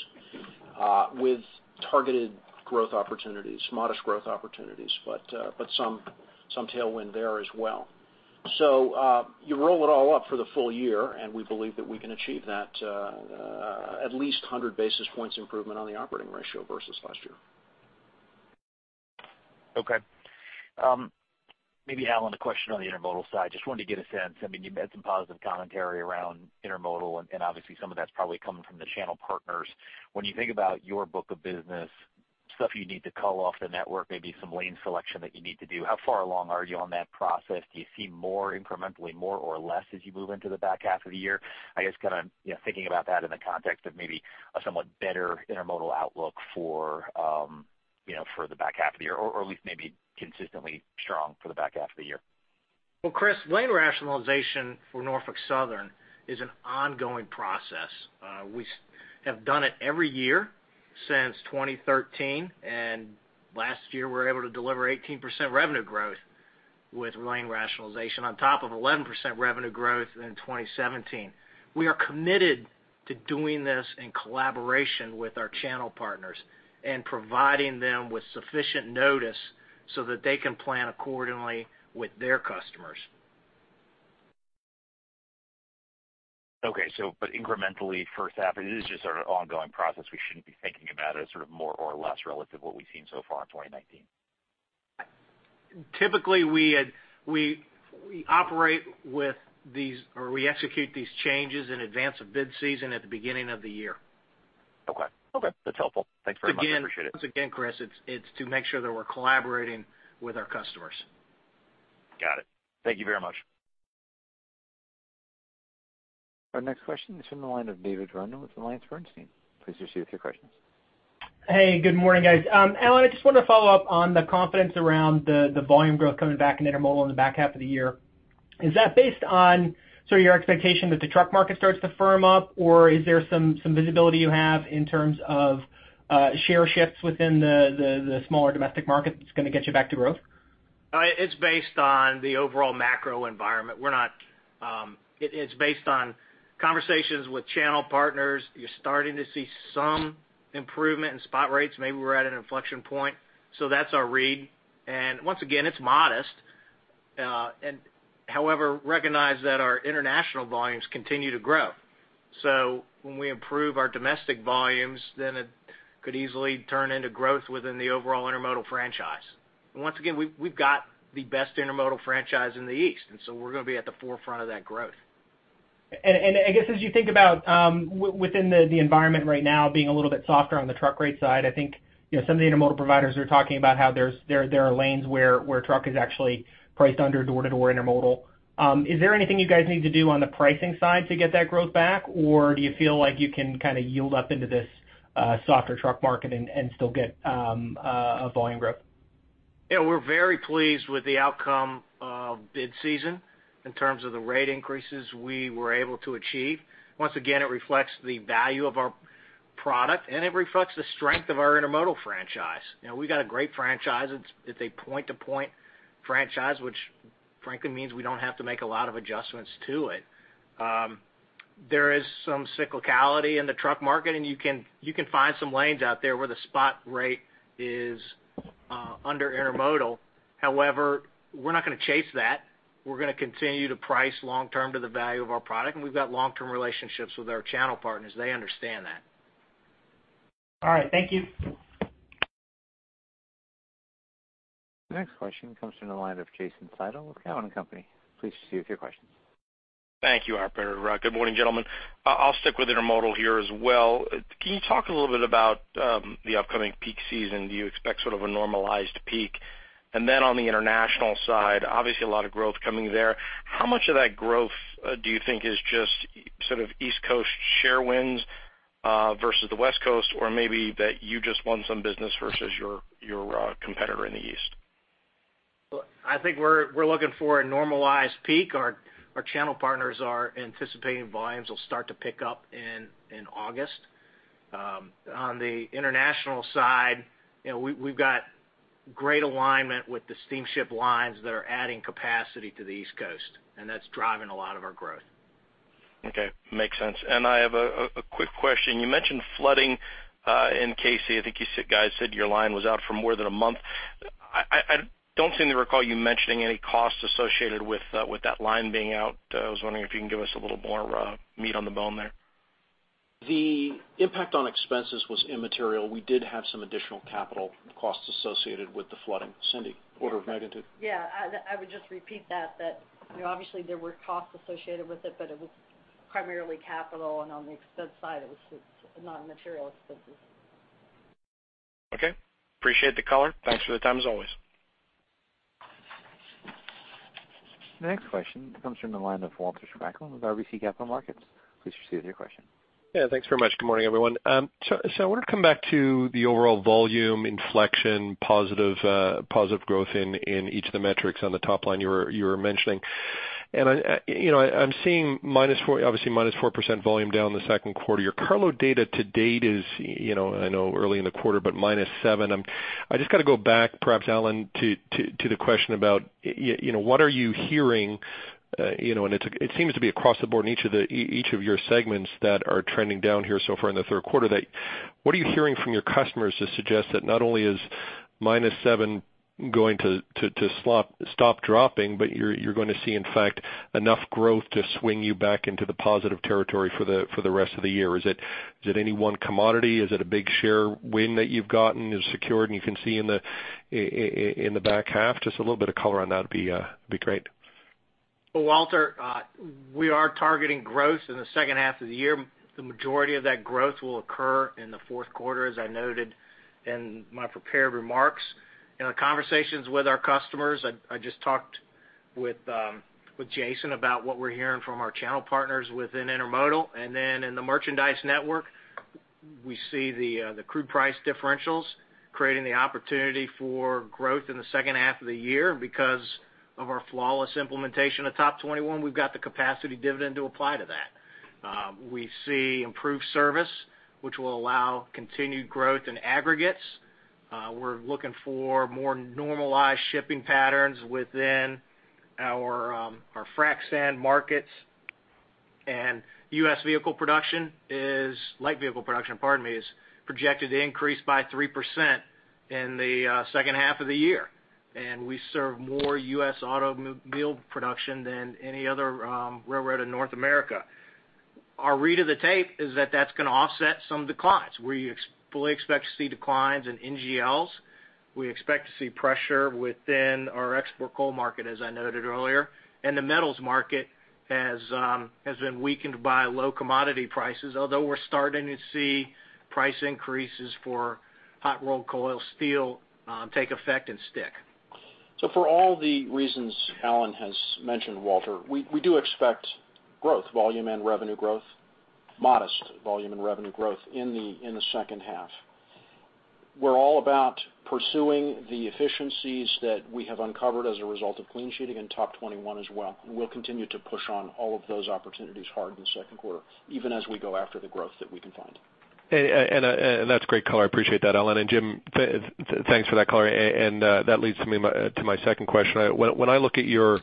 with targeted growth opportunities, modest growth opportunities, but some tailwind there as well. You roll it all up for the full year. We believe that we can achieve that at least 100 basis points improvement on the operating ratio versus last year. Okay. Maybe, Alan, a question on the intermodal side. Just wanted to get a sense. You've had some positive commentary around intermodal, and obviously some of that's probably coming from the channel partners. When you think about your book of business, stuff you need to cull off the network, maybe some lane selection that you need to do, how far along are you on that process? Do you see more incrementally more or less as you move into the back half of the year? I guess, thinking about that in the context of maybe a somewhat better intermodal outlook for the back half of the year, or at least maybe consistently strong for the back half of the year. Well, Chris, lane rationalization for Norfolk Southern is an ongoing process. We have done it every year since 2013, and last year, we were able to deliver 18% revenue growth with lane rationalization on top of 11% revenue growth in 2017. We are committed to doing this in collaboration with our channel partners and providing them with sufficient notice so that they can plan accordingly with their customers. Okay. Incrementally, first half, it is just an ongoing process we shouldn't be thinking about as more or less relative to what we've seen so far in 2019. Typically, we operate with these, or we execute these changes in advance of bid season at the beginning of the year. Okay. That's helpful. Thanks very much. I appreciate it. Once again, Chris, it's to make sure that we're collaborating with our customers. Got it. Thank you very much. Our next question is from the line of David Rundel with AllianceBernstein. Please proceed with your questions. Hey, good morning, guys. Alan, I just wanted to follow up on the confidence around the volume growth coming back in intermodal in the back half of the year. Is that based on your expectation that the truck market starts to firm up, or is there some visibility you have in terms of share shifts within the smaller domestic market that's going to get you back to growth? It's based on the overall macro environment. It's based on conversations with channel partners. You're starting to see some improvement in spot rates. Maybe we're at an inflection point. That's our read. Once again, it's modest. However, recognize that our international volumes continue to grow. When we improve our domestic volumes, then it could easily turn into growth within the overall intermodal franchise. Once again, we've got the best intermodal franchise in the East, so we're going to be at the forefront of that growth. I guess as you think about within the environment right now being a little bit softer on the truck rate side, I think some of the intermodal providers are talking about how there are lanes where truck is actually priced under door-to-door intermodal. Is there anything you guys need to do on the pricing side to get that growth back, or do you feel like you can yield up into this softer truck market and still get a volume growth? Yeah, we're very pleased with the outcome of bid season in terms of the rate increases we were able to achieve. Once again, it reflects the value of our product, and it reflects the strength of our intermodal franchise. We got a great franchise. It's a point-to-point franchise, which frankly means we don't have to make a lot of adjustments to it. There is some cyclicality in the truck market, and you can find some lanes out there where the spot rate is under intermodal. However, we're not going to chase that. We're going to continue to price long term to the value of our product, and we've got long-term relationships with our channel partners. They understand that. All right. Thank you. The next question comes from the line of Jason Seidl with Cowen and Company. Please proceed with your question. Thank you, operator. Good morning, gentlemen. I'll stick with intermodal here as well. Can you talk a little bit about the upcoming peak season? Do you expect sort of a normalized peak? On the international side, obviously, a lot of growth coming there. How much of that growth do you think is just sort of East Coast share wins versus the West Coast, or maybe that you just won some business versus your competitor in the East? I think we're looking for a normalized peak. Our channel partners are anticipating volumes will start to pick up in August. On the international side, we've got great alignment with the steamship lines that are adding capacity to the East Coast. That's driving a lot of our growth. Okay. Makes sense. I have a quick question. You mentioned flooding in KC. I think you guys said your line was out for more than a month. I don't seem to recall you mentioning any costs associated with that line being out. I was wondering if you can give us a little more meat on the bone there. The impact on expenses was immaterial. We did have some additional capital costs associated with the flooding. Cindy, order of magnitude? Yeah, I would just repeat that, obviously, there were costs associated with it, but it was primarily capital, and on the expense side, it was non-material expenses. Okay. Appreciate the color. Thanks for the time, as always. The next question comes from the line of Walter Spracklin with RBC Capital Markets. Please proceed with your question. Yeah, thanks very much. Good morning, everyone. I want to come back to the overall volume inflection, positive growth in each of the metrics on the top line you were mentioning. I'm seeing, obviously, -4% volume down in the second quarter. Your cargo data to date is, I know, early in the quarter, but -7%. I just got to go back, perhaps, Alan, to the question about, what are you hearing, and it seems to be across the board in each of your segments that are trending down here so far in the third quarter. What are you hearing from your customers to suggest that not only is -7% going to stop dropping, but you're going to see, in fact, enough growth to swing you back into the positive territory for the rest of the year? Is it any one commodity? Is it a big share win that you've gotten, is secured, and you can see in the back half? Just a little bit of color on that would be great. Well, Walter, we are targeting growth in the second half of the year. The majority of that growth will occur in the fourth quarter, as I noted in my prepared remarks. In the conversations with our customers, I just talked with Jason about what we're hearing from our channel partners within intermodal, and then in the merchandise network, we see the crude price differentials creating the opportunity for growth in the second half of the year because of our flawless implementation of TOP21, we've got the capacity dividend to apply to that. We see improved service, which will allow continued growth in aggregates. We're looking for more normalized shipping patterns within our frac sand markets. Light vehicle production is projected to increase by 3% in the second half of the year. We serve more U.S. automobile production than any other railroad in North America. Our read of the tape is that that's going to offset some declines. We fully expect to see declines in NGLs. We expect to see pressure within our export coal market, as I noted earlier. The metals market has been weakened by low commodity prices, although we're starting to see price increases for hot rolled coil steel take effect and stick For all the reasons Alan has mentioned, Walter, we do expect growth, volume and revenue growth, modest volume and revenue growth in the second half. We're all about pursuing the efficiencies that we have uncovered as a result of clean sheeting and TOP21 as well. We'll continue to push on all of those opportunities hard in the second quarter, even as we go after the growth that we can find. That's great color. I appreciate that, Alan. Jim, thanks for that color, that leads me to my second question. I look at your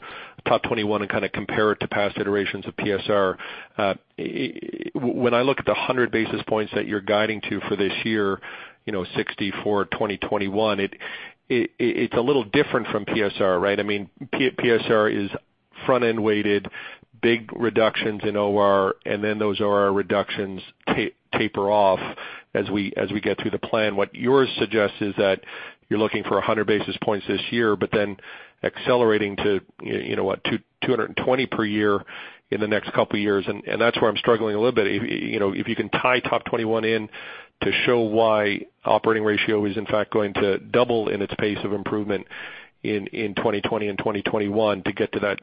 TOP21 and kind of compare it to past iterations of PSR. I look at the 100 basis points that you're guiding to for this year, 64, 2021, it's a little different from PSR, right? PSR is front-end weighted, big reductions in OR, then those OR reductions taper off as we get through the plan. Yours suggests that you're looking for 100 basis points this year, but then accelerating to 220 per year in the next couple of years, that's where I'm struggling a little bit. If you can tie TOP21 in to show why operating ratio is in fact going to double in its pace of improvement in 2020 and 2021 to get to that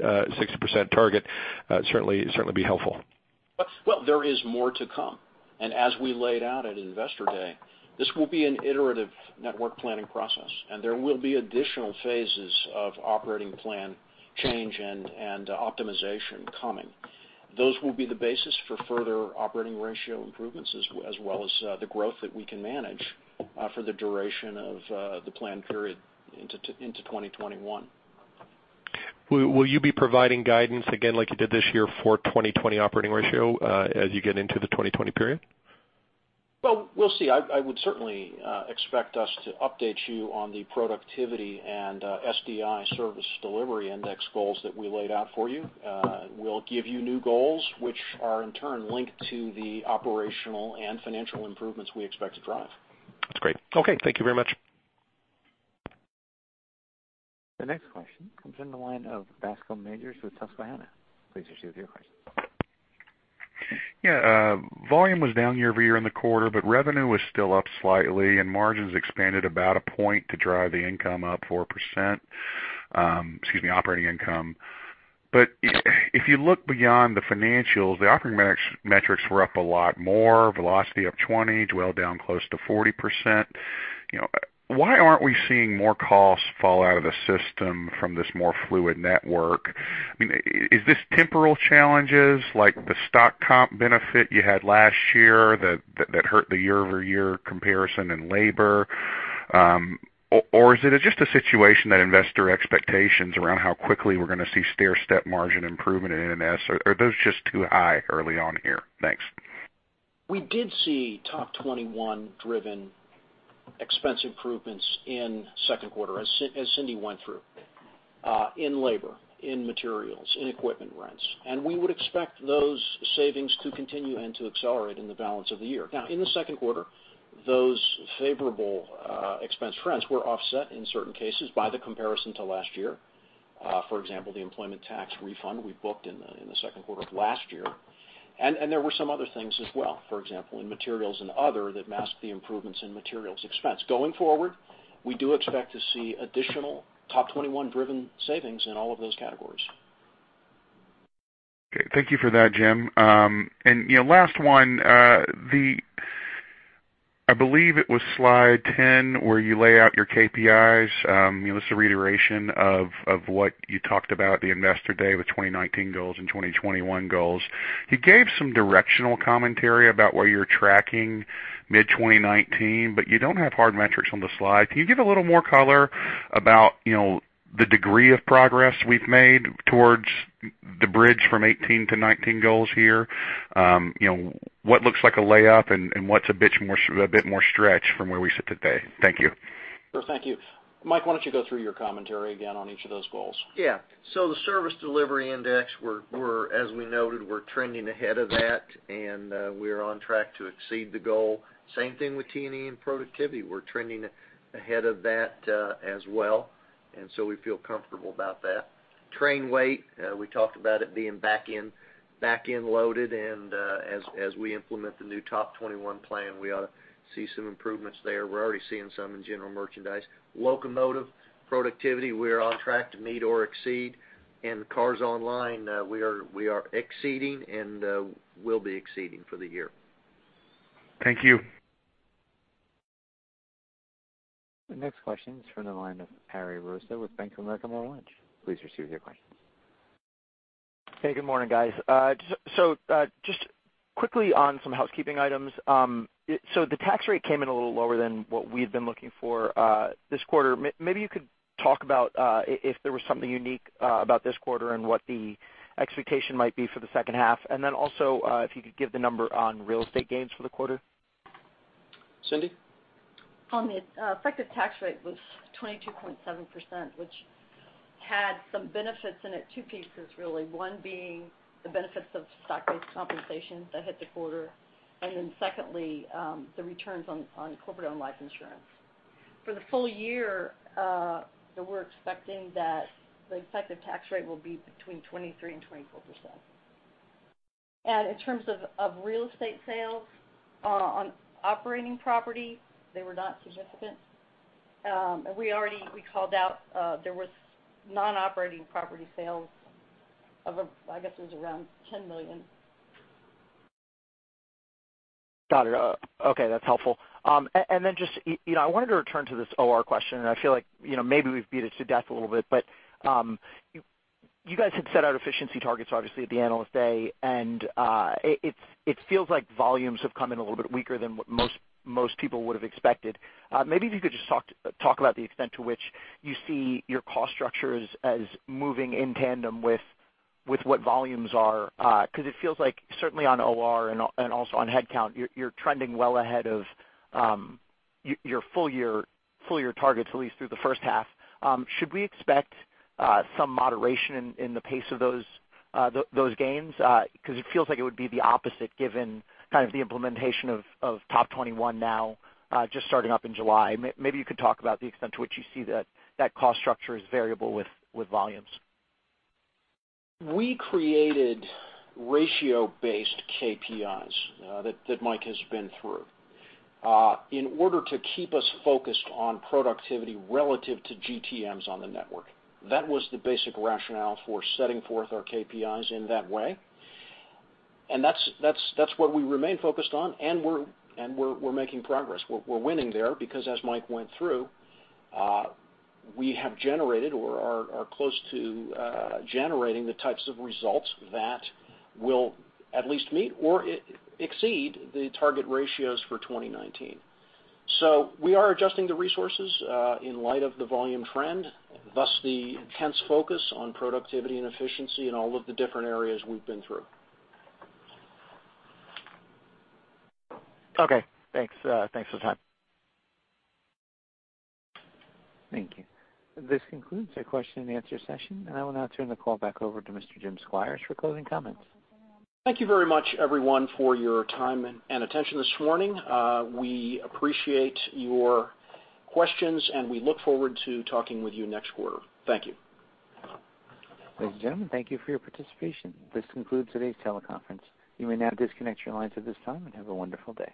60% target, certainly be helpful. Well, there is more to come. As we laid out at Investor Day, this will be an iterative network planning process, and there will be additional phases of operating plan change and optimization coming. Those will be the basis for further operating ratio improvements, as well as the growth that we can manage for the duration of the plan period into 2021. Will you be providing guidance again like you did this year for 2020 operating ratio, as you get into the 2020 period? Well, we'll see. I would certainly expect us to update you on the productivity and SDI, Service Delivery Index goals that we laid out for you. We'll give you new goals, which are in turn linked to the operational and financial improvements we expect to drive. That's great. Okay, thank you very much. The next question comes in the line of Bascome Majors with Susquehanna. Please issue your question. Yeah. Volume was down year-over-year in the quarter, revenue was still up slightly and margins expanded about a point to drive the income up 4%-- excuse me, operating income. If you look beyond the financials, the operating metrics were up a lot more, velocity up 20%, dwell down close to 40%. Why aren't we seeing more costs fall out of the system from this more fluid network? Is this temporal challenges like the stock comp benefit you had last year that hurt the year-over-year comparison in labor? Is it just a situation that investor expectations around how quickly we're going to see stair-step margin improvement in NS, are those just too high early on here? Thanks. We did see TOP21-driven expense improvements in second quarter, as Cindy went through, in labor, in materials, in equipment rents. We would expect those savings to continue and to accelerate in the balance of the year. Now, in the second quarter, those favorable expense trends were offset in certain cases by the comparison to last year. For example, the employment tax refund we booked in the second quarter of last year. There were some other things as well, for example, in materials and other, that masked the improvements in materials expense. Going forward, we do expect to see additional TOP21-driven savings in all of those categories. Okay, thank you for that, Jim. Last one, I believe it was slide 10 where you lay out your KPIs. It was a reiteration of what you talked about at the Investor Day with 2019 goals and 2021 goals. You gave some directional commentary about where you're tracking mid-2019. You don't have hard metrics on the slide. Can you give a little more color about the degree of progress we've made towards the bridge from 2018 to 2019 goals here? What looks like a layup and what's a bit more stretch from where we sit today? Thank you. Sure, thank you. Mike, why don't you go through your commentary again on each of those goals? The Service Delivery Index, as we noted, we're trending ahead of that, and we are on track to exceed the goal. Same thing with T&E and productivity. We're trending ahead of that as well. We feel comfortable about that. Train weight, we talked about it being back-end loaded, and as we implement the new TOP21 plan, we ought to see some improvements there. We're already seeing some in general merchandise. Locomotive productivity, we are on track to meet or exceed. Cars online, we are exceeding and will be exceeding for the year. Thank you. The next question is from the line of Perry Rose with Bank of America Merrill Lynch. Please proceed with your question. Hey, good morning, guys. Just quickly on some housekeeping items. The tax rate came in a little lower than what we had been looking for this quarter. Maybe you could talk about if there was something unique about this quarter and what the expectation might be for the second half. Also, if you could give the number on real estate gains for the quarter. Cindy? The effective tax rate was 22.7%, which had some benefits in it, two pieces really. One being the benefits of stock-based compensation that hit the quarter, secondly, the returns on corporate-owned life insurance. For the full year, we're expecting that the effective tax rate will be between 23% and 24%. In terms of real estate sales on operating property, they were not significant. We already called out there was non-operating property sales of, I guess it was around $10 million. Got it. Okay, that's helpful. I wanted to return to this OR question and I feel like maybe we've beat it to death a little bit, but you guys had set out efficiency targets obviously at the analyst day and it feels like volumes have come in a little bit weaker than what most people would've expected. Maybe if you could just talk about the extent to which you see your cost structures as moving in tandem with what volumes are. It feels like certainly on OR and also on headcount, you're trending well ahead of your full year targets, at least through the first half. Should we expect some moderation in the pace of those gains? It feels like it would be the opposite given kind of the implementation of TOP21 now just starting up in July. Maybe you could talk about the extent to which you see that cost structure is variable with volumes. We created ratio-based KPIs that Mike has been through in order to keep us focused on productivity relative to GTMs on the network. That was the basic rationale for setting forth our KPIs in that way, and that's what we remain focused on and we're making progress. We're winning there because as Mike went through, we have generated or are close to generating the types of results that will at least meet or exceed the target ratios for 2019. We are adjusting the resources in light of the volume trend, thus the intense focus on productivity and efficiency in all of the different areas we've been through. Okay, thanks. Thanks for the time. Thank you. This concludes our question and answer session and I will now turn the call back over to Mr. Jim Squires for closing comments. Thank you very much everyone for your time and attention this morning. We appreciate your questions and we look forward to talking with you next quarter. Thank you. Ladies and gentlemen, thank you for your participation. This concludes today's teleconference. You may now disconnect your lines at this time and have a wonderful day.